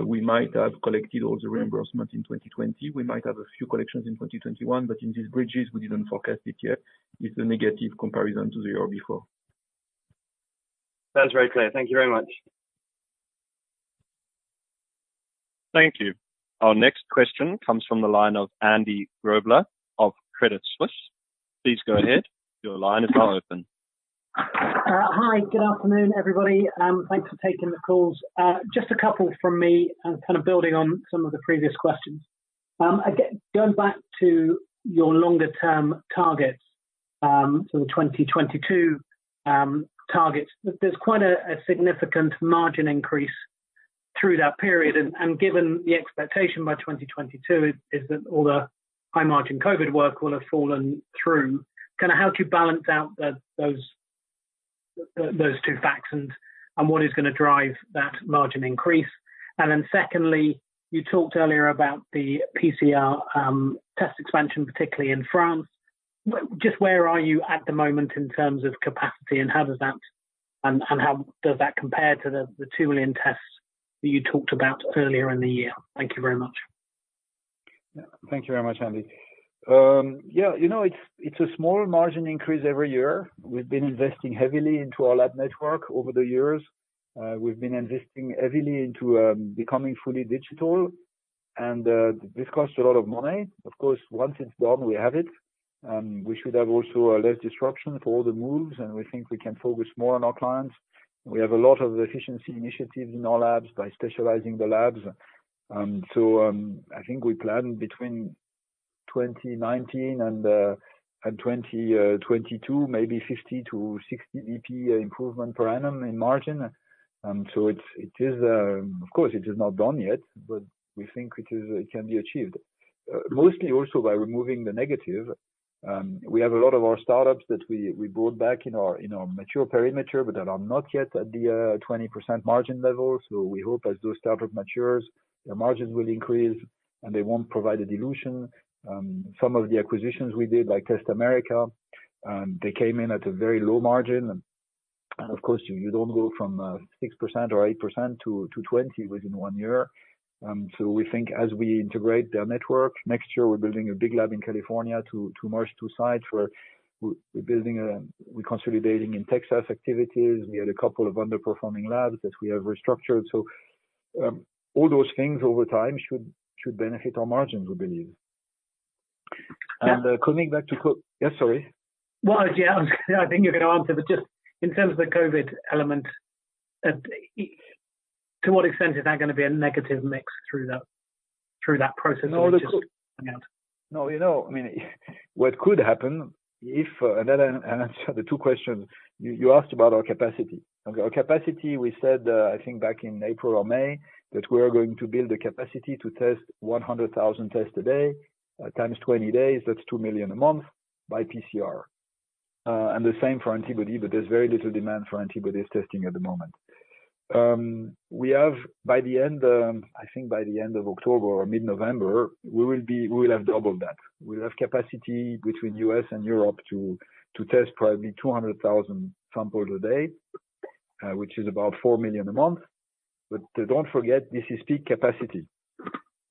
We might have collected all the reimbursements in 2020. We might have a few collections in 2021. In these bridges, we didn't forecast it yet with the negative comparison to the year before. That's very clear. Thank you very much. Thank you. Our next question comes from the line of Andy Grobler of Credit Suisse. Please go ahead. Hi. Good afternoon, everybody. Thanks for taking the calls. Just a couple from me, kind of building on some of the previous questions. Going back to your longer term targets, so the 2022 targets, there's quite a significant margin increase through that period. Given the expectation by 2022 is that all the high-margin COVID work will have fallen through. Kind of how do you balance out those two factors and what is going to drive that margin increase? Secondly, you talked earlier about the PCR test expansion, particularly in France. Just where are you at the moment in terms of capacity and how does that compare to the 2 million tests that you talked about earlier in the year? Thank you very much. Thank you very much, Andy. It's a small margin increase every year. We've been investing heavily into our lab network over the years. We've been investing heavily into becoming fully digital, and this costs a lot of money. Once it's done, we have it. We should have also less disruption for all the moves, and we think we can focus more on our clients. We have a lot of efficiency initiatives in our labs by specializing the labs. I think we plan between 2019 and 2022, maybe 50 to 60 basis points improvement per annum in margin. It is not done yet, but we think it can be achieved. Mostly also by removing the negative. We have a lot of our startups that we brought back in our mature perimeter, but that are not yet at the 20% margin level. We hope as those startup matures, their margins will increase, and they won't provide a dilution. Some of the acquisitions we did, like TestAmerica, they came in at a very low margin. Of course, you don't go from 6% or 8% to 20% within one year. We think as we integrate their network next year, we're building a big lab in California to merge two sites where we're consolidating in Texas activities. We had a couple of underperforming labs that we have restructured. All those things over time should benefit our margins, we believe. Coming back to, Yeah, sorry. Well, yeah, I think you're going to answer, but just in terms of the COVID element, to what extent is that going to be a negative mix? No hung out? What could happen if, then I answer the two questions? You asked about our capacity. Okay, our capacity, we said, I think back in April or May, that we are going to build the capacity to test 100,000 tests a day times 20 days, that's 2 million a month by PCR. The same for antibody, there's very little demand for antibodies testing at the moment. I think by the end of October or mid-November, we will have doubled that. We'll have capacity between U.S. and Europe to test probably 200,000 samples a day, which is about 4 million a month. Don't forget, this is peak capacity,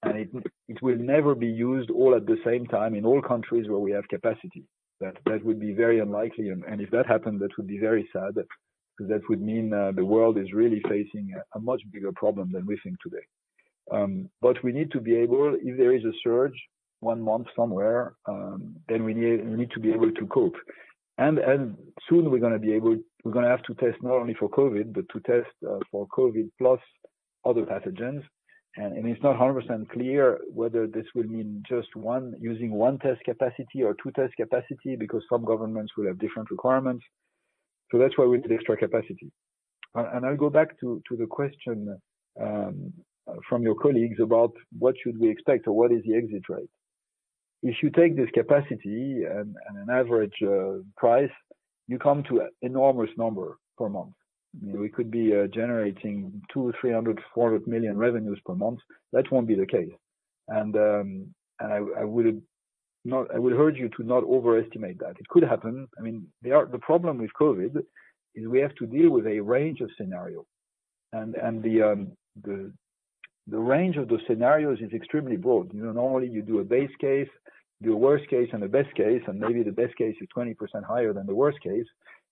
it will never be used all at the same time in all countries where we have capacity. That would be very unlikely. If that happened, that would be very sad, because that would mean the world is really facing a much bigger problem than we think today. We need to be able, if there is a surge one month somewhere, then we need to be able to cope. Soon we're going to have to test not only for COVID, but to test for COVID plus other pathogens. It's not 100% clear whether this will mean just using one test capacity or two test capacity, because some governments will have different requirements. That's why we need the extra capacity. I'll go back to the question from your colleagues about what should we expect or what is the exit rate. If you take this capacity and an average price, you come to enormous number per month. We could be generating 200 million, 300 million, 400 million revenues per month. That won't be the case. I would urge you to not overestimate that. It could happen. The problem with COVID is we have to deal with a range of scenarios. The range of those scenarios is extremely broad. Normally you do a base case, do a worst case and a best case. Maybe the best case is 20% higher than the worst case.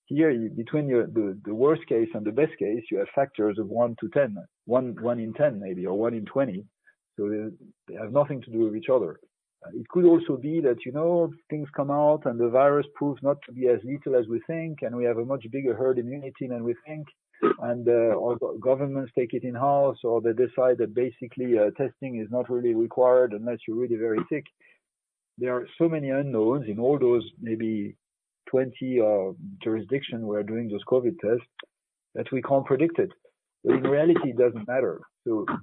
Here, between the worst case and the best case, you have factors of 1 to 10. One in 10 maybe, or one in 20. They have nothing to do with each other. It could also be that things come out and the virus proves not to be as lethal as we think, and we have a much bigger herd immunity than we think, and all governments take it in-house, or they decide that basically testing is not really required unless you're really very sick. There are so many unknowns in all those maybe 20 jurisdictions who are doing those COVID tests that we can't predict it. In reality, it doesn't matter.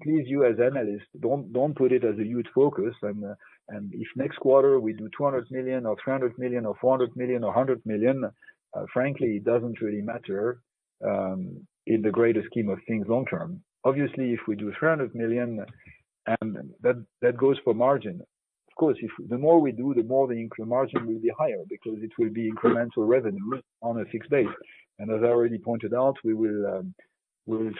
Please, you as analysts, don't put it as a huge focus. If next quarter we do 200 million or 300 million or 400 million or 100 million, frankly, it doesn't really matter in the greater scheme of things long-term. Obviously, if we do 300 million, that goes for margin. Of course, the more we do, the more the margin will be higher because it will be incremental revenue on a fixed base. As I already pointed out, we will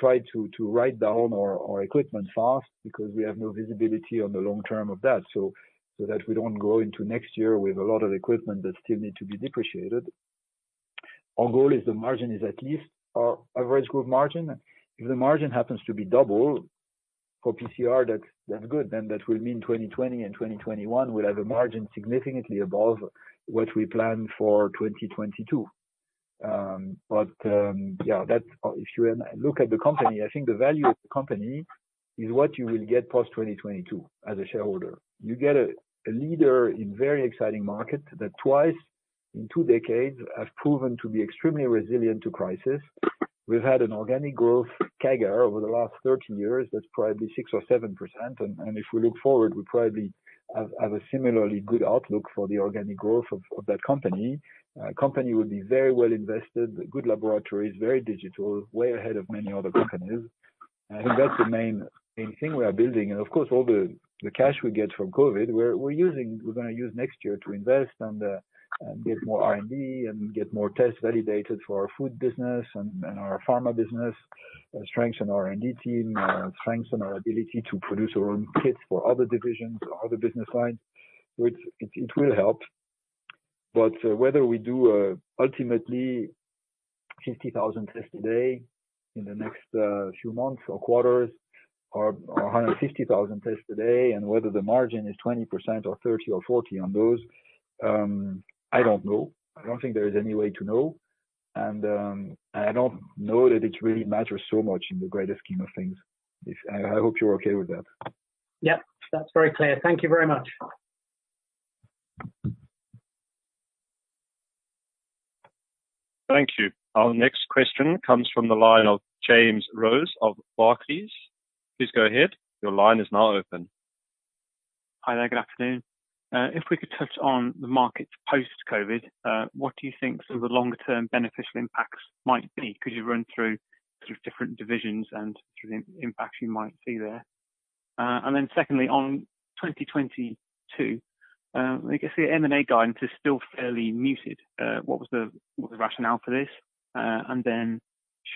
try to write down our equipment fast because we have no visibility on the long-term of that, so that we don't go into next year with a lot of equipment that still need to be depreciated. Our goal is the margin is at least our average group margin. If the margin happens to be double for PCR, that's good. That will mean 2020 and 2021 will have a margin significantly above what we plan for 2022. If you look at the company, I think the value of the company is what you will get post-2022 as a shareholder. You get a leader in very exciting market that twice in two decades has proven to be extremely resilient to crisis. We've had an organic growth CAGR over the last 13 years, that's probably 6% or 7%. If we look forward, we probably have a similarly good outlook for the organic growth of that company. Company will be very well invested, good laboratories, very digital, way ahead of many other companies. I think that's the main thing we are building. Of course, all the cash we get from COVID, we're going to use next year to invest and get more R&D and get more tests validated for our food business and our pharma business, strengthen our R&D team, strengthen our ability to produce our own kits for other divisions or other business lines, which it will help. Whether we do ultimately 50,000 tests a day in the next few months or quarters, or 150,000 tests a day, and whether the margin is 20% or 30% or 40% on those, I don't know. I don't think there is any way to know. I don't know that it really matters so much in the greater scheme of things. I hope you're okay with that. Yep. That's very clear. Thank you very much. Thank you. Our next question comes from the line of James Rose of Barclays. Please go ahead. Your line is now open. Hi there, good afternoon. If we could touch on the market post-COVID, what do you think some of the longer term beneficial impacts might be? Could you run through sort of different divisions and through the impacts you might see there? Secondly, on 2022, I guess the M&A guidance is still fairly muted. What was the rationale for this?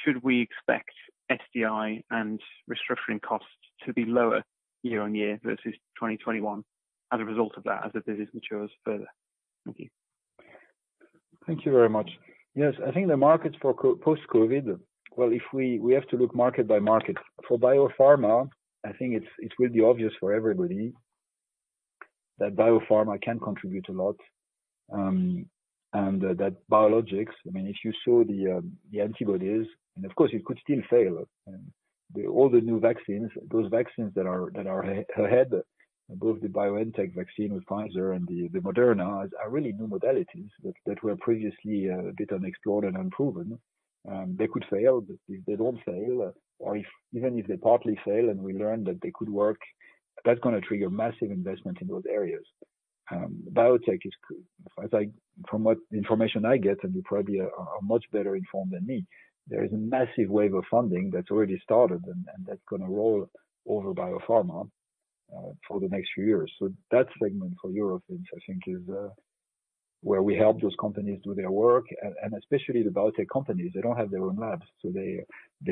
Should we expect SDI and restructuring costs to be lower year-over-year versus 2021 as a result of that as the business matures further? Thank you. Thank you very much. Yes, I think the markets for post-COVID, well, we have to look market by market. For biopharma, I think it will be obvious for everybody that biopharma can contribute a lot, and that biologics, I mean, if you saw the antibodies, and of course it could still fail. All the new vaccines, those vaccines that are ahead, both the BioNTech vaccine with Pfizer and the Moderna, are really new modalities that were previously a bit unexplored and unproven. They could fail. If they don't fail, or even if they partly fail and we learn that they could work, that's going to trigger massive investment in those areas. Biotech is, from what information I get, and you probably are much better informed than me, there is a massive wave of funding that's already started and that's going to roll over biopharma for the next few years. That segment for Eurofins, I think, is where we help those companies do their work, and especially the biotech companies. They don't have their own labs, so they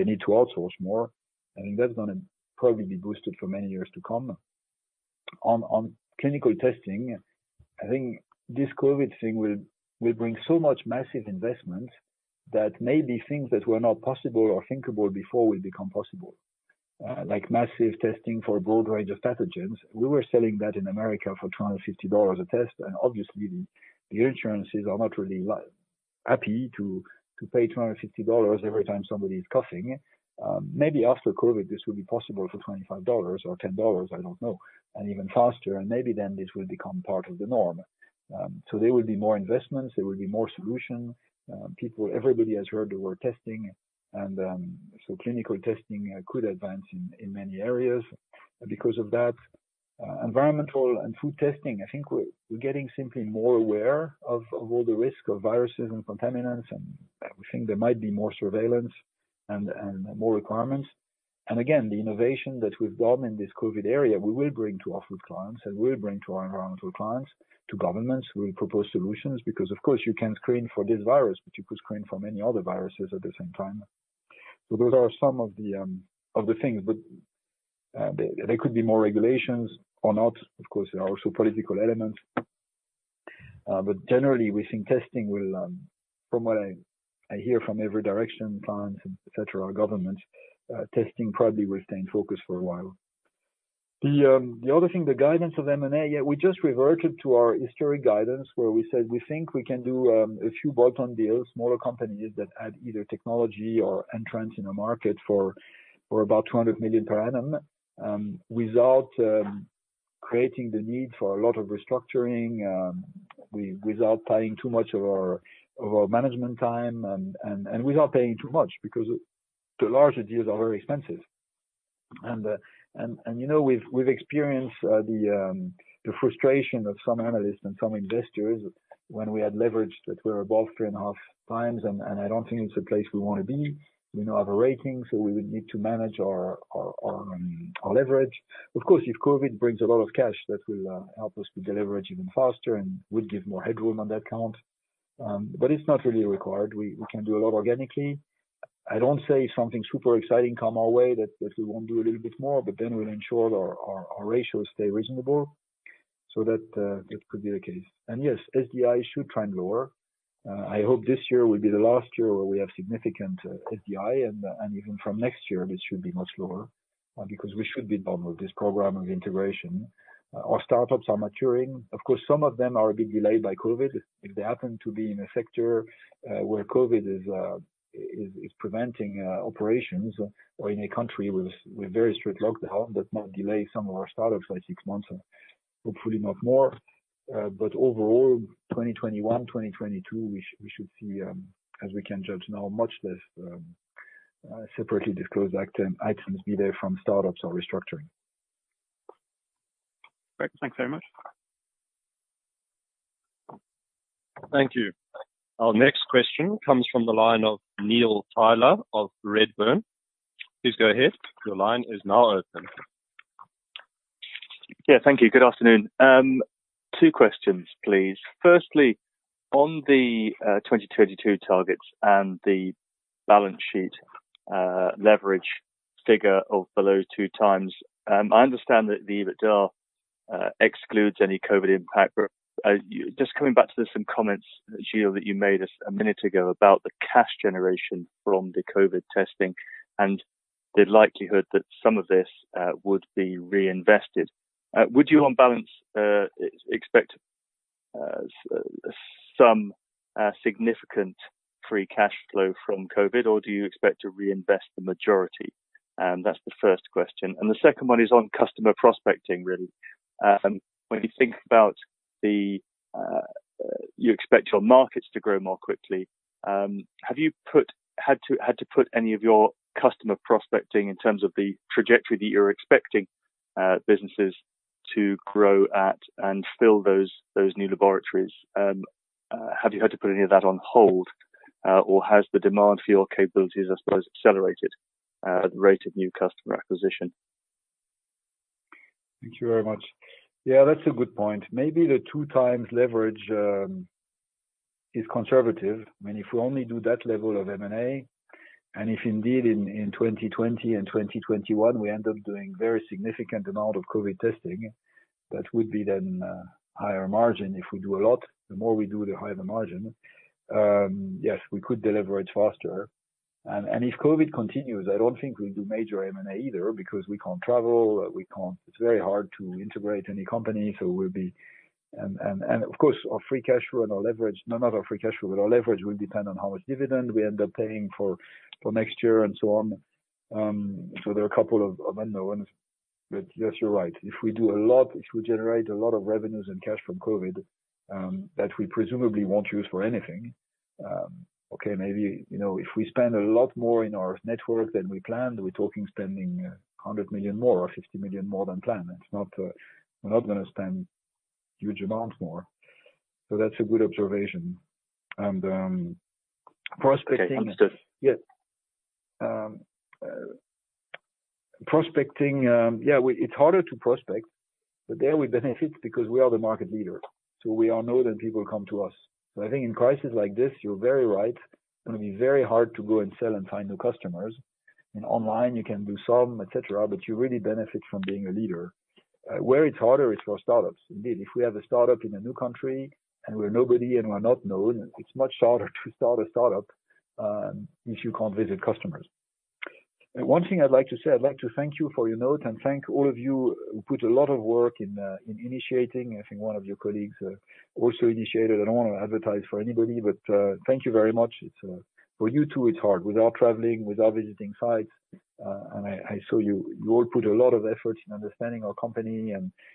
need to outsource more, and that's going to probably be boosted for many years to come. On clinical testing, I think this COVID thing will bring so much massive investment that maybe things that were not possible or thinkable before will become possible, like massive testing for a broad range of pathogens. We were selling that in America for EUR 250 a test, and obviously the insurances are not really happy to pay EUR 250 every time somebody's coughing. Maybe after COVID, this will be possible for EUR 25 or EUR 10, I don't know, and even faster, and maybe then this will become part of the norm. There will be more investments, there will be more solutions. Everybody has heard the word testing, clinical testing could advance in many areas because of that. Environmental and food testing, I think we're getting simply more aware of all the risk of viruses and contaminants, and we think there might be more surveillance and more requirements. Again, the innovation that we've got in this COVID area, we will bring to our food clients and we'll bring to our environmental clients, to governments. We'll propose solutions because, of course, you can screen for this virus, but you could screen for many other viruses at the same time. Those are some of the things. There could be more regulations or not. Of course, there are also political elements. Generally, we think testing will, from what I hear from every direction, clients, et cetera, governments, testing probably will stay in focus for a while. The other thing, the guidance of M&A, yeah, we just reverted to our historic guidance where we said we think we can do a few bolt-on deals, smaller companies that add either technology or entrance in a market for about 200 million per annum without creating the need for a lot of restructuring without tying too much of our management time and without paying too much, because the larger deals are very expensive. We've experienced the frustration of some analysts and some investors when we had leverage that were above three and a half times. I don't think it's a place we want to be. We now have a rating, so we would need to manage our leverage. Of course, if COVID brings a lot of cash, that will help us to deleverage even faster and would give more headroom on that count. It's not really required. We can do a lot organically. I don't say if something super exciting come our way, that we won't do a little bit more, but then we'll ensure our ratios stay reasonable. That could be the case. Yes, SDI should trend lower. I hope this year will be the last year where we have significant SDI, and even from next year, it should be much lower, because we should be done with this program of integration. Our startups are maturing. Of course, some of them are a bit delayed by COVID. If they happen to be in a sector where COVID is preventing operations or in a country with very strict lockdown, that might delay some of our startups by six months or hopefully not more. Overall, 2021, 2022, we should see, as we can judge now, much less separately disclosed items be they from startups or restructuring. Great. Thanks very much. Thank you. Our next question comes from the line of Neil Tyler of Redburn. Please go ahead. Your line is now open. Yeah, thank you. Good afternoon. Two questions, please. Firstly, on the 2022 targets and the balance sheet leverage figure of below two times. I understand that the EBITDA excludes any COVID impact. Just coming back to some comments, Gilles, that you made a minute ago about the cash generation from the COVID testing and the likelihood that some of this would be reinvested. Would you, on balance, expect some significant free cash flow from COVID, or do you expect to reinvest the majority? That's the first question. The second one is on customer prospecting, really. When you think about you expect your markets to grow more quickly, had to put any of your customer prospecting in terms of the trajectory that you're expecting businesses to grow at and fill those new laboratories. Have you had to put any of that on hold? Has the demand for your capabilities, I suppose, accelerated the rate of new customer acquisition? Thank you very much. Yeah, that's a good point. Maybe the two times leverage is conservative. I mean, if we only do that level of M&A, if indeed in 2020 and 2021, we end up doing very significant amount of COVID testing, that would be then higher margin if we do a lot. The more we do, the higher the margin. Yes, we could deleverage faster. If COVID continues, I don't think we'll do major M&A either because we can't travel. It's very hard to integrate any company. Of course, our free cash flow and our leverage, not our free cash flow, but our leverage will depend on how much dividend we end up paying for next year and so on. There are a couple of unknowns. Yes, you're right. If we do a lot, if we generate a lot of revenues and cash from COVID that we presumably won't use for anything. Okay, maybe if we spend a lot more in our network than we planned, we're talking spending 100 million more or 50 million more than planned. We're not going to spend huge amounts more. That's a good observation. Okay. Understood. Yes. Prospecting, it's harder to prospect, there we benefit because we are the market leader. We are known and people come to us. I think in crisis like this, you're very right, it's going to be very hard to go and sell and find new customers. Online you can do some, et cetera, you really benefit from being a leader. Where it's harder is for startups. Indeed, if we have a startup in a new country and we're nobody and we're not known, it's much harder to start a startup if you can't visit customers. One thing I'd like to say, I'd like to thank you for your note and thank all of you who put a lot of work in initiating. I think one of your colleagues also initiated. I don't want to advertise for anybody, thank you very much. For you, too, it's hard without traveling, without visiting sites. I saw you all put a lot of effort in understanding our company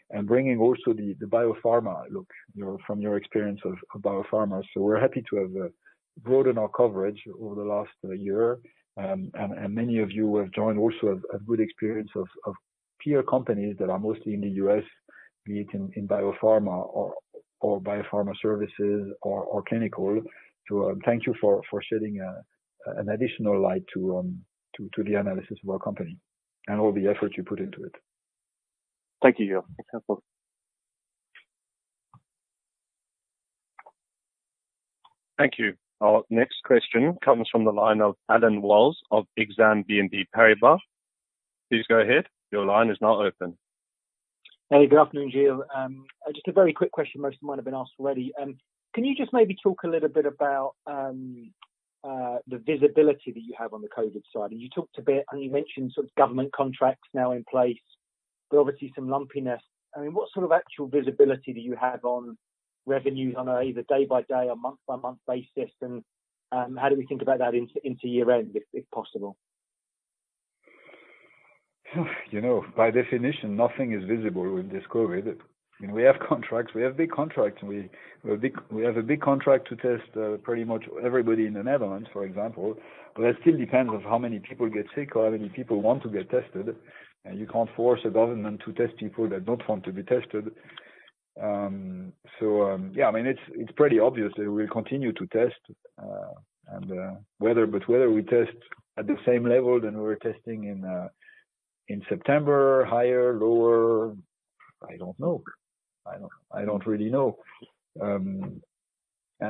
and bringing also the biopharma look from your experience of biopharma. We're happy to have broadened our coverage over the last year. Many of you have joined also have good experience of peer companies that are mostly in the U.S., be it in biopharma or biopharma services or clinical. Thank you for shedding an additional light to the analysis of our company and all the effort you put into it. Thank you, Gilles. Thank you. Our next question comes from the line of Allen Wells of Exane BNP Paribas. Please go ahead. Your line is now open Hey, good afternoon, Gilles. Just a very quick question. Most might have been asked already. Can you just maybe talk a little bit about the visibility that you have on the COVID side? You talked a bit and you mentioned sort of government contracts now in place, but obviously some lumpiness. I mean, what sort of actual visibility do you have on revenues on either day by day or month by month basis? How do we think about that into year end, if possible? By definition, nothing is visible with this COVID. We have contracts. We have big contracts. We have a big contract to test pretty much everybody in the Netherlands, for example. That still depends on how many people get sick or how many people want to get tested. You can't force a government to test people that don't want to be tested. Yeah, it's pretty obvious that we'll continue to test. Whether we test at the same level that we were testing in September, higher, lower, I don't know. I don't really know.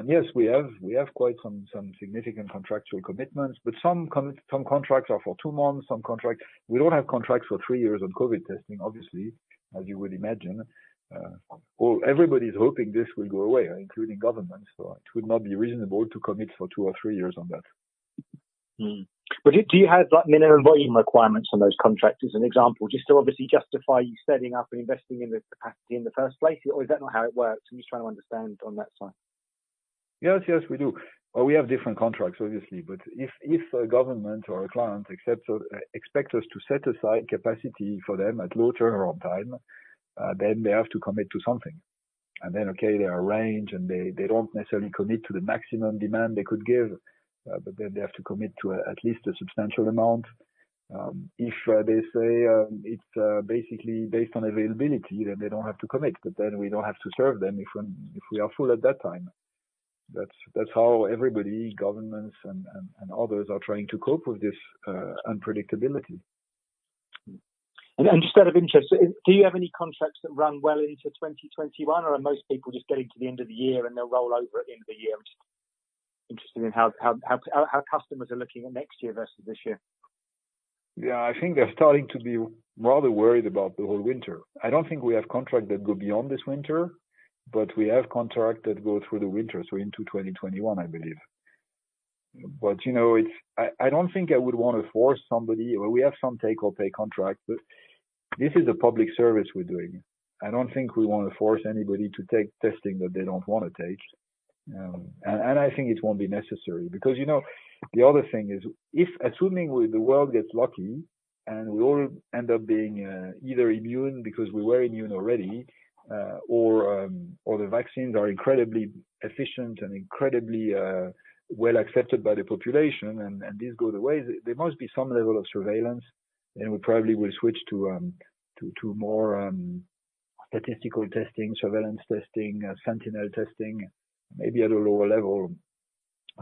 Yes, we have quite some significant contractual commitments, but some contracts are for two months. We don't have contracts for three years on COVID testing, obviously, as you would imagine. Everybody's hoping this will go away, including governments. It would not be reasonable to commit for two or three years on that. Do you have minimum volume requirements on those contracts, as an example, just to obviously justify you setting up and investing in the capacity in the first place? Or is that not how it works? I'm just trying to understand on that side. Yes. We do. Well, we have different contracts, obviously. If a government or a client expect us to set aside capacity for them at low turnaround time, then they have to commit to something. Okay, they arrange, and they don't necessarily commit to the maximum demand they could give. They have to commit to at least a substantial amount. If they say it's basically based on availability, then they don't have to commit, but then we don't have to serve them if we are full at that time. That's how everybody, governments and others, are trying to cope with this unpredictability. Just out of interest, do you have any contracts that run well into 2021, or are most people just getting to the end of the year, and they'll roll over at the end of the year? I'm just interested in how customers are looking at next year versus this year. Yeah, I think they're starting to be rather worried about the whole winter. I don't think we have contracts that go beyond this winter, but we have contracts that go through the winter, so into 2021, I believe. I don't think I would want to force somebody. Well, we have some take or pay contracts, but this is a public service we're doing. I don't think we want to force anybody to take testing that they don't want to take. I think it won't be necessary because the other thing is, assuming the world gets lucky and we all end up being either immune because we were immune already, or the vaccines are incredibly efficient and incredibly well accepted by the population, and this goes away, there must be some level of surveillance. We probably will switch to more statistical testing, surveillance testing, sentinel testing, maybe at a lower level.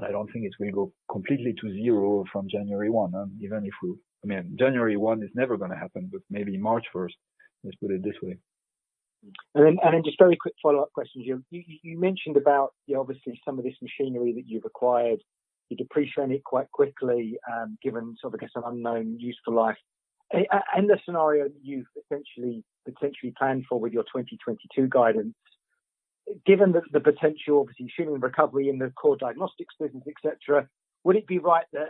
I don't think it's going to go completely to zero from January 1. January 1 is never going to happen, but maybe March 1st. Let's put it this way. Just very quick follow-up questions. You mentioned about obviously some of this machinery that you've acquired, you depreciate it quite quickly, given sort of, I guess, an unknown useful life. In the scenario that you've essentially potentially planned for with your 2022 guidance, given the potential, obviously, assuming recovery in the core diagnostics business, et cetera, would it be right that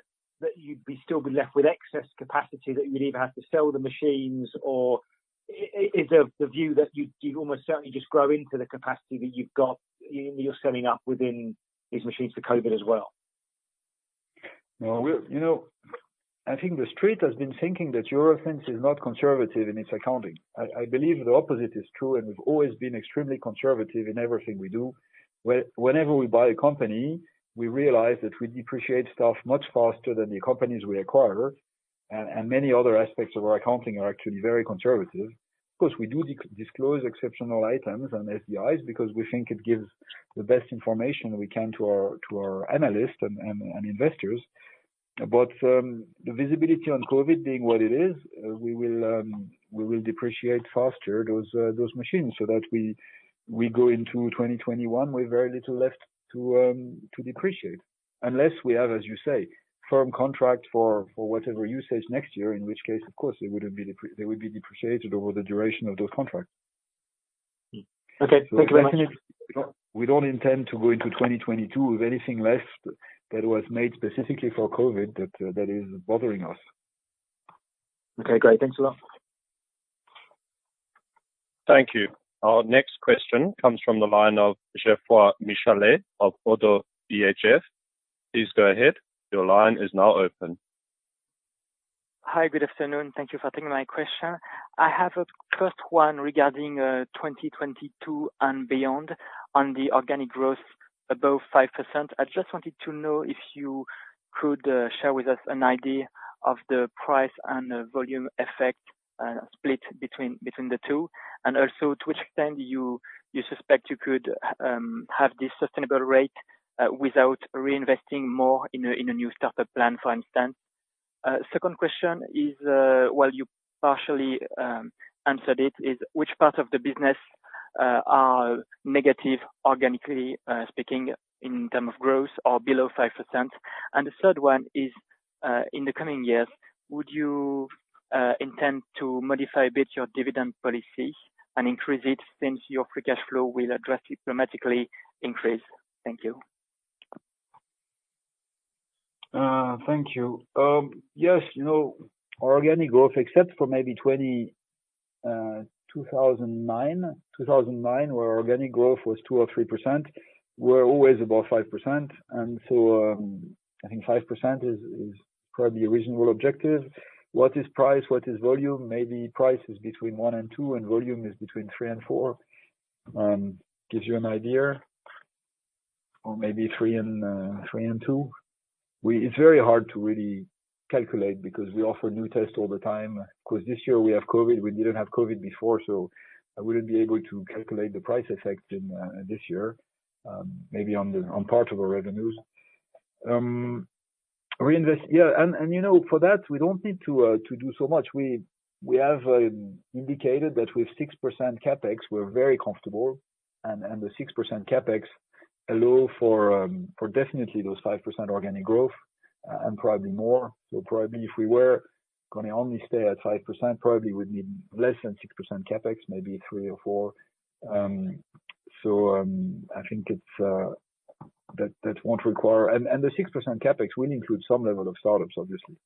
you'd still be left with excess capacity that you'd either have to sell the machines, or is the view that you'd almost certainly just grow into the capacity that you've got, you're setting up within these machines for COVID as well? Well, I think the street has been thinking that Eurofins is not conservative in its accounting. I believe the opposite is true. We've always been extremely conservative in everything we do. Whenever we buy a company, we realize that we depreciate stuff much faster than the companies we acquire. Many other aspects of our accounting are actually very conservative. Of course, we do disclose exceptional items and EBITDA because we think it gives the best information we can to our analysts and investors. The visibility on COVID being what it is, we will depreciate faster those machines so that we go into 2021 with very little left to depreciate. Unless we have, as you say, firm contracts for whatever usage next year, in which case, of course, they would be depreciated over the duration of those contracts. Okay. Thank you very much. We don't intend to go into 2022 with anything left that was made specifically for COVID that is bothering us. Okay, great. Thanks a lot. Thank you. Our next question comes from the line of Geoffroy Michalet of ODDO BHF. Please go ahead. Hi, good afternoon. Thank you for taking my question. I have a first one regarding 2022 and beyond on the organic growth above 5%. I just wanted to know if you could share with us an idea of the price and the volume effect split between the two. Also to which extent you suspect you could have this sustainable rate without reinvesting more in a new startup plan, for instance. Second question is, well, you partially answered it, is which part of the business are negative organically speaking in terms of growth or below 5%? The third one is, in the coming years, would you intend to modify a bit your dividend policy and increase it since your free cash flow will drastically increase? Thank you. Thank you. Yes, our organic growth, except for maybe Q3 NM 2020, where organic growth was 2% or 3%, we're always above 5%. I think 5% is probably a reasonable objective. What is price? What is volume? Maybe price is between one and two, and volume is between three and four. Gives you an idea. Or maybe three and two. It's very hard to really calculate because we offer new tests all the time. This year we have COVID, we didn't have COVID before, so I wouldn't be able to calculate the price effect this year. Maybe on part of our revenues. For that, we don't need to do so much. We have indicated that with 6% CapEx, we're very comfortable, the 6% CapEx allow for definitely those 5% organic growth, and probably more. Probably if we were going to only stay at 5%, probably we'd need less than 6% CapEx, maybe three or four. I think that won't require. The 6% CapEx will include some level of startups, obviously.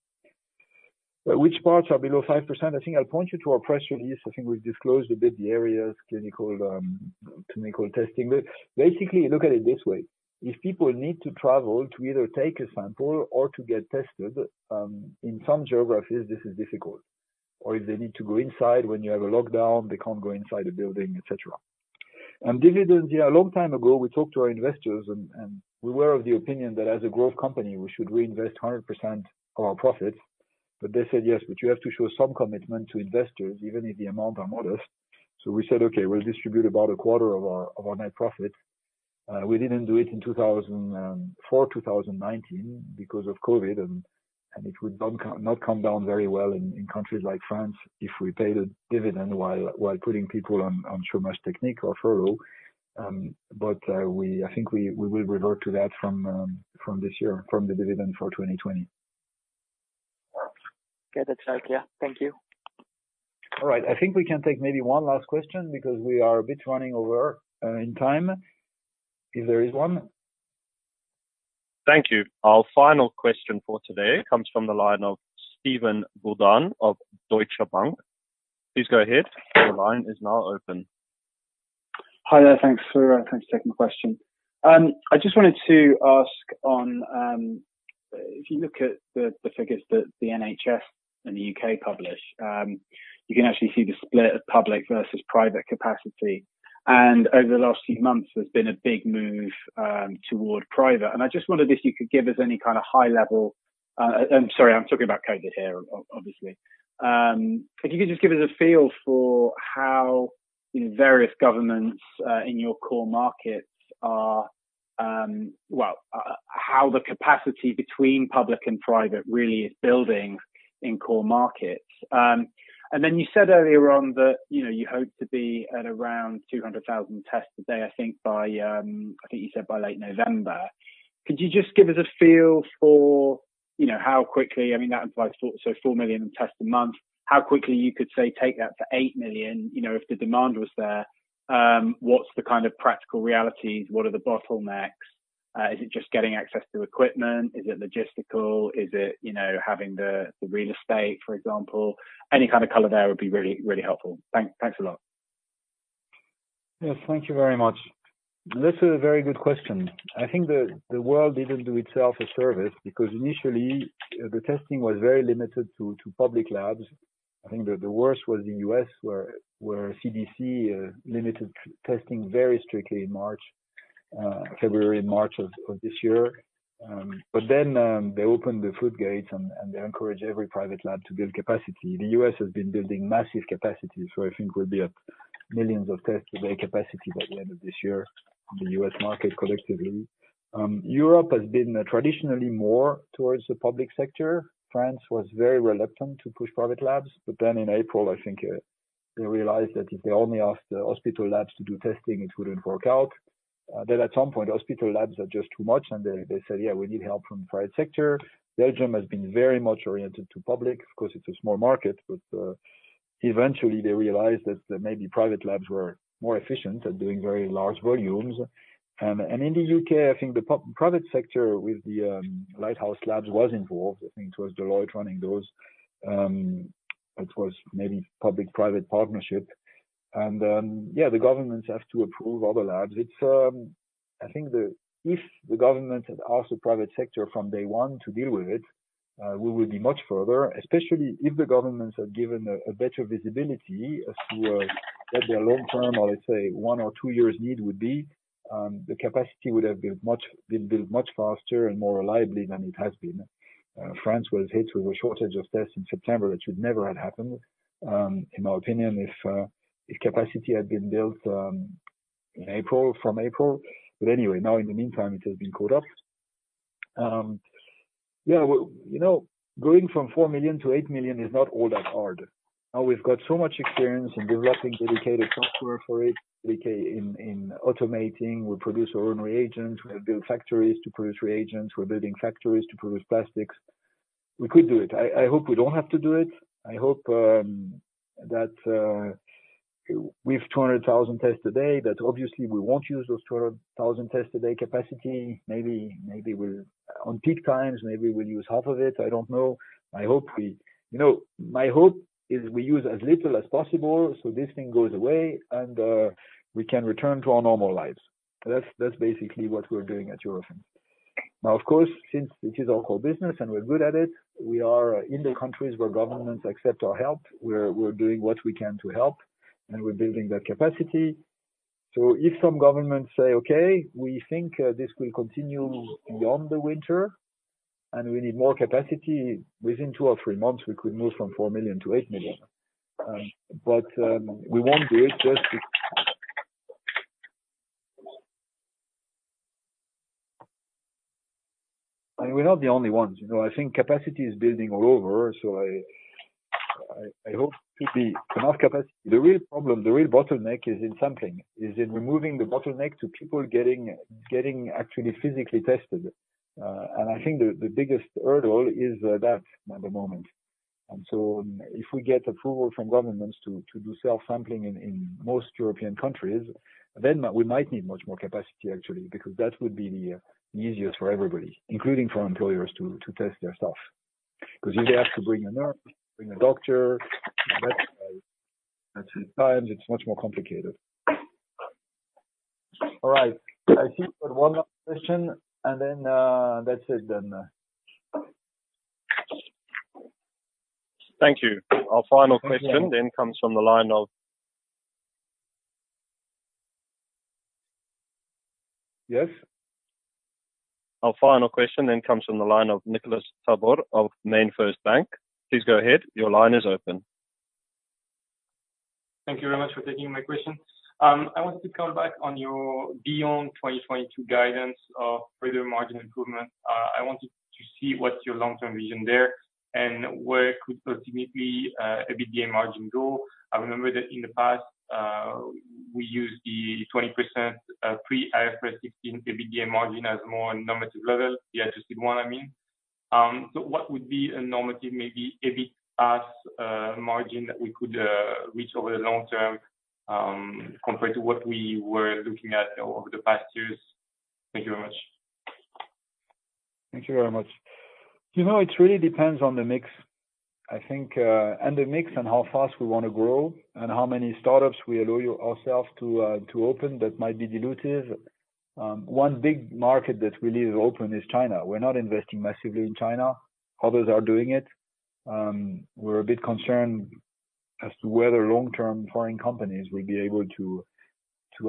Which parts are below 5%? I think I'll point you to our press release. I think we've disclosed a bit the areas, clinical testing. Basically, look at it this way. If people need to travel to either take a sample or to get tested, in some geographies, this is difficult. If they need to go inside when you have a lockdown, they can't go inside a building, et cetera. Dividends, yeah, a long time ago, we talked to our investors, and we were of the opinion that as a growth company, we should reinvest 100% of our profits. They said, "Yes, but you have to show some commitment to investors, even if the amount are modest." We said, "Okay, we'll distribute about a quarter of our net profit." We didn't do it for 2019 because of COVID, and it would not come down very well in countries like France if we paid a dividend while putting people on chômage technique or furlough. I think we will revert to that from this year, from the dividend for 2020. Get it right. Yeah. Thank you. All right. I think we can take maybe one last question because we are a bit running over in time. If there is one. Thank you. Our final question for today comes from the line of Steven Budan of Deutsche Bank. Please go ahead. Hi there. Thanks for taking the question. I just wanted to ask, if you look at the figures that the NHS and the U.K. publish, you can actually see the split of public versus private capacity. Over the last few months, there's been a big move toward private. I just wondered if you could give us any kind of. I'm sorry, I'm talking about COVID here, obviously. Could you just give us a feel for how the various governments in your core markets are how the capacity between public and private really is building in core markets? You said earlier on that you hope to be at around 200,000 tests a day, I think you said by late November. Could you just give us a feel for how quickly, I mean, that implies 4 million tests a month. How quickly you could, say, take that to 8 million, if the demand was there. What's the kind of practical realities? What are the bottlenecks? Is it just getting access to equipment? Is it logistical? Is it having the real estate, for example? Any kind of color there would be really helpful. Thanks a lot. Yes. Thank you very much. This is a very good question. I think the world didn't do itself a service because initially, the testing was very limited to public labs. I think that the worst was the U.S., where CDC limited testing very strictly in February and March of this year. They opened the floodgates, and they encouraged every private lab to build capacity. The U.S. has been building massive capacity, I think we'll be at millions of tests a day capacity by the end of this year in the U.S. market collectively. Europe has been traditionally more towards the public sector. France was very reluctant to push private labs, in April, I think they realized that if they only asked the hospital labs to do testing, it wouldn't work out. At some point, hospital labs are just too much, and they said, "Yeah, we need help from the private sector." Belgium has been very much oriented to public. Of course, it's a small market, but eventually they realized that maybe private labs were more efficient at doing very large volumes. In the U.K., I think the private sector with the Lighthouse Labs was involved. I think it was Deloitte running those. It was maybe public-private partnership. Yeah, the governments have to approve all the labs. I think if the government had asked the private sector from day one to deal with it, we would be much further, especially if the governments had given a better visibility as to what their long-term or, let's say, one or two years need would be. The capacity would have been built much faster and more reliably than it has been. France was hit with a shortage of tests in September, which would never had happened, in my opinion, if capacity had been built from April. Anyway, now in the meantime, it has been caught up. Going from 4 million to 8 million is not all that hard. Now we've got so much experience in developing dedicated software for it, dedicated in automating. We produce our own reagents. We have built factories to produce reagents. We're building factories to produce plastics. We could do it. I hope we don't have to do it. I hope we have 200,000 tests a day, but obviously we won't use those 200,000 tests a day capacity. Maybe on peak times, maybe we'll use half of it. I don't know. My hope is we use as little as possible, so this thing goes away and we can return to our normal lives. That's basically what we're doing at Eurofins. Of course, since it is our core business and we're good at it, we are in the countries where governments accept our help. We're doing what we can to help, and we're building that capacity. If some governments say, "Okay, we think this will continue beyond the winter and we need more capacity," within two or three months, we could move from 4 million to 8 million. We won't do it. We're not the only ones. I think capacity is building all over. I hope to be enough capacity. The real problem, the real bottleneck is in sampling, in removing the bottleneck to people getting actually physically tested. I think the biggest hurdle is that at the moment. If we get approval from governments to do self-sampling in most European countries, then we might need much more capacity, actually, because that would be the easiest for everybody, including for employers to test their staff. Because if they have to bring a nurse, bring a doctor, that takes time, it's much more complicated. All right. I think we've one last question, and then that's it then. Thank you. Our final question comes from the line of- Yes. Our final question comes from the line of Nicolas Tabor of MainFirst Bank. Please go ahead. Your line is open. Thank you very much for taking my question. I wanted to call back on your beyond 2022 guidance of further margin improvement. I wanted to see what's your long-term vision there and where could ultimately EBITDA margin go. I remember that in the past, we used the 20% pre-IFRS 16 EBITDA margin as a more normative level, the adjusted one, I mean. What would be a normative, maybe EBITDA margin that we could reach over the long-term, compared to what we were looking at over the past years? Thank you very much. Thank you very much. It really depends on the mix, I think. The mix and how fast we want to grow and how many startups we allow ourselves to open that might be dilutive. One big market that really is open is China. We're not investing massively in China. Others are doing it. We're a bit concerned as to whether long-term foreign companies will be able to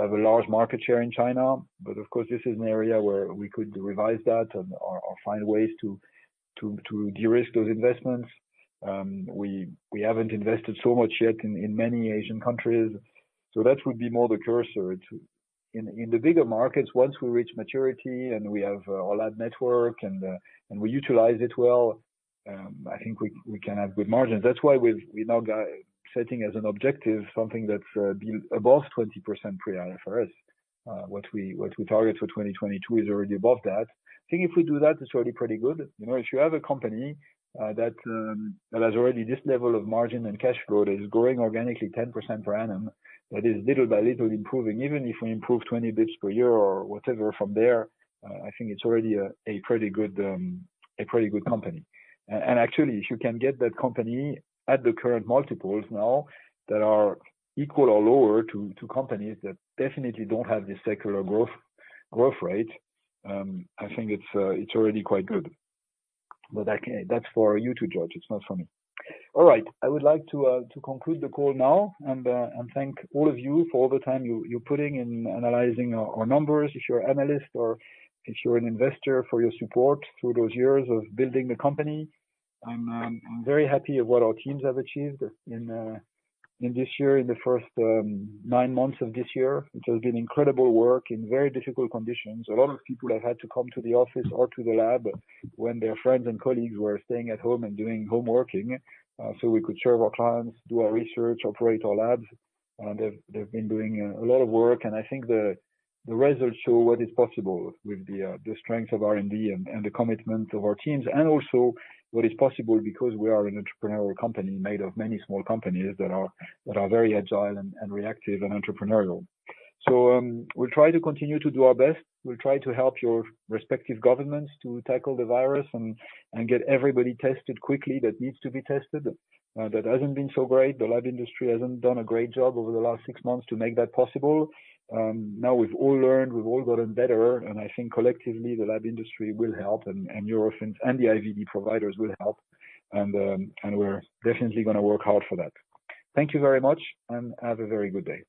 have a large market share in China. Of course, this is an area where we could revise that or find ways to de-risk those investments. We haven't invested so much yet in many Asian countries, so that would be more the cursor. In the bigger markets, once we reach maturity and we have all that network and we utilize it well, I think we can have good margins. That's why we're now setting as an objective something that's above 20% pre-IFRS. What we target for 2022 is already above that. I think if we do that, it's already pretty good. If you have a company that has already this level of margin and cash flow, that is growing organically 10% per annum, that is little by little improving, even if we improve 20 basis points per year or whatever from there, I think it's already a pretty good company. Actually, if you can get that company at the current multiples now that are equal or lower to companies that definitely don't have this secular growth rate, I think it's already quite good. That's for you to judge. It's not for me. All right. I would like to conclude the call now and thank all of you for all the time you are putting in analyzing our numbers, if you are an analyst or if you are an investor, for your support through those years of building the company. I am very happy of what our teams have achieved in this year, in the first nine months of this year, which has been incredible work in very difficult conditions. A lot of people have had to come to the office or to the lab when their friends and colleagues were staying at home and doing home working, so we could serve our clients, do our research, operate our labs. They've been doing a lot of work, and I think the results show what is possible with the strength of R&D and the commitment of our teams, and also what is possible because we are an entrepreneurial company made of many small companies that are very agile and reactive and entrepreneurial. We'll try to continue to do our best. We'll try to help your respective governments to tackle the virus and get everybody tested quickly that needs to be tested. That hasn't been so great. The lab industry hasn't done a great job over the last six months to make that possible. Now we've all learned, we've all gotten better, and I think collectively, the lab industry will help and Eurofins and the IVD providers will help. We're definitely going to work hard for that. Thank you very much and have a very good day.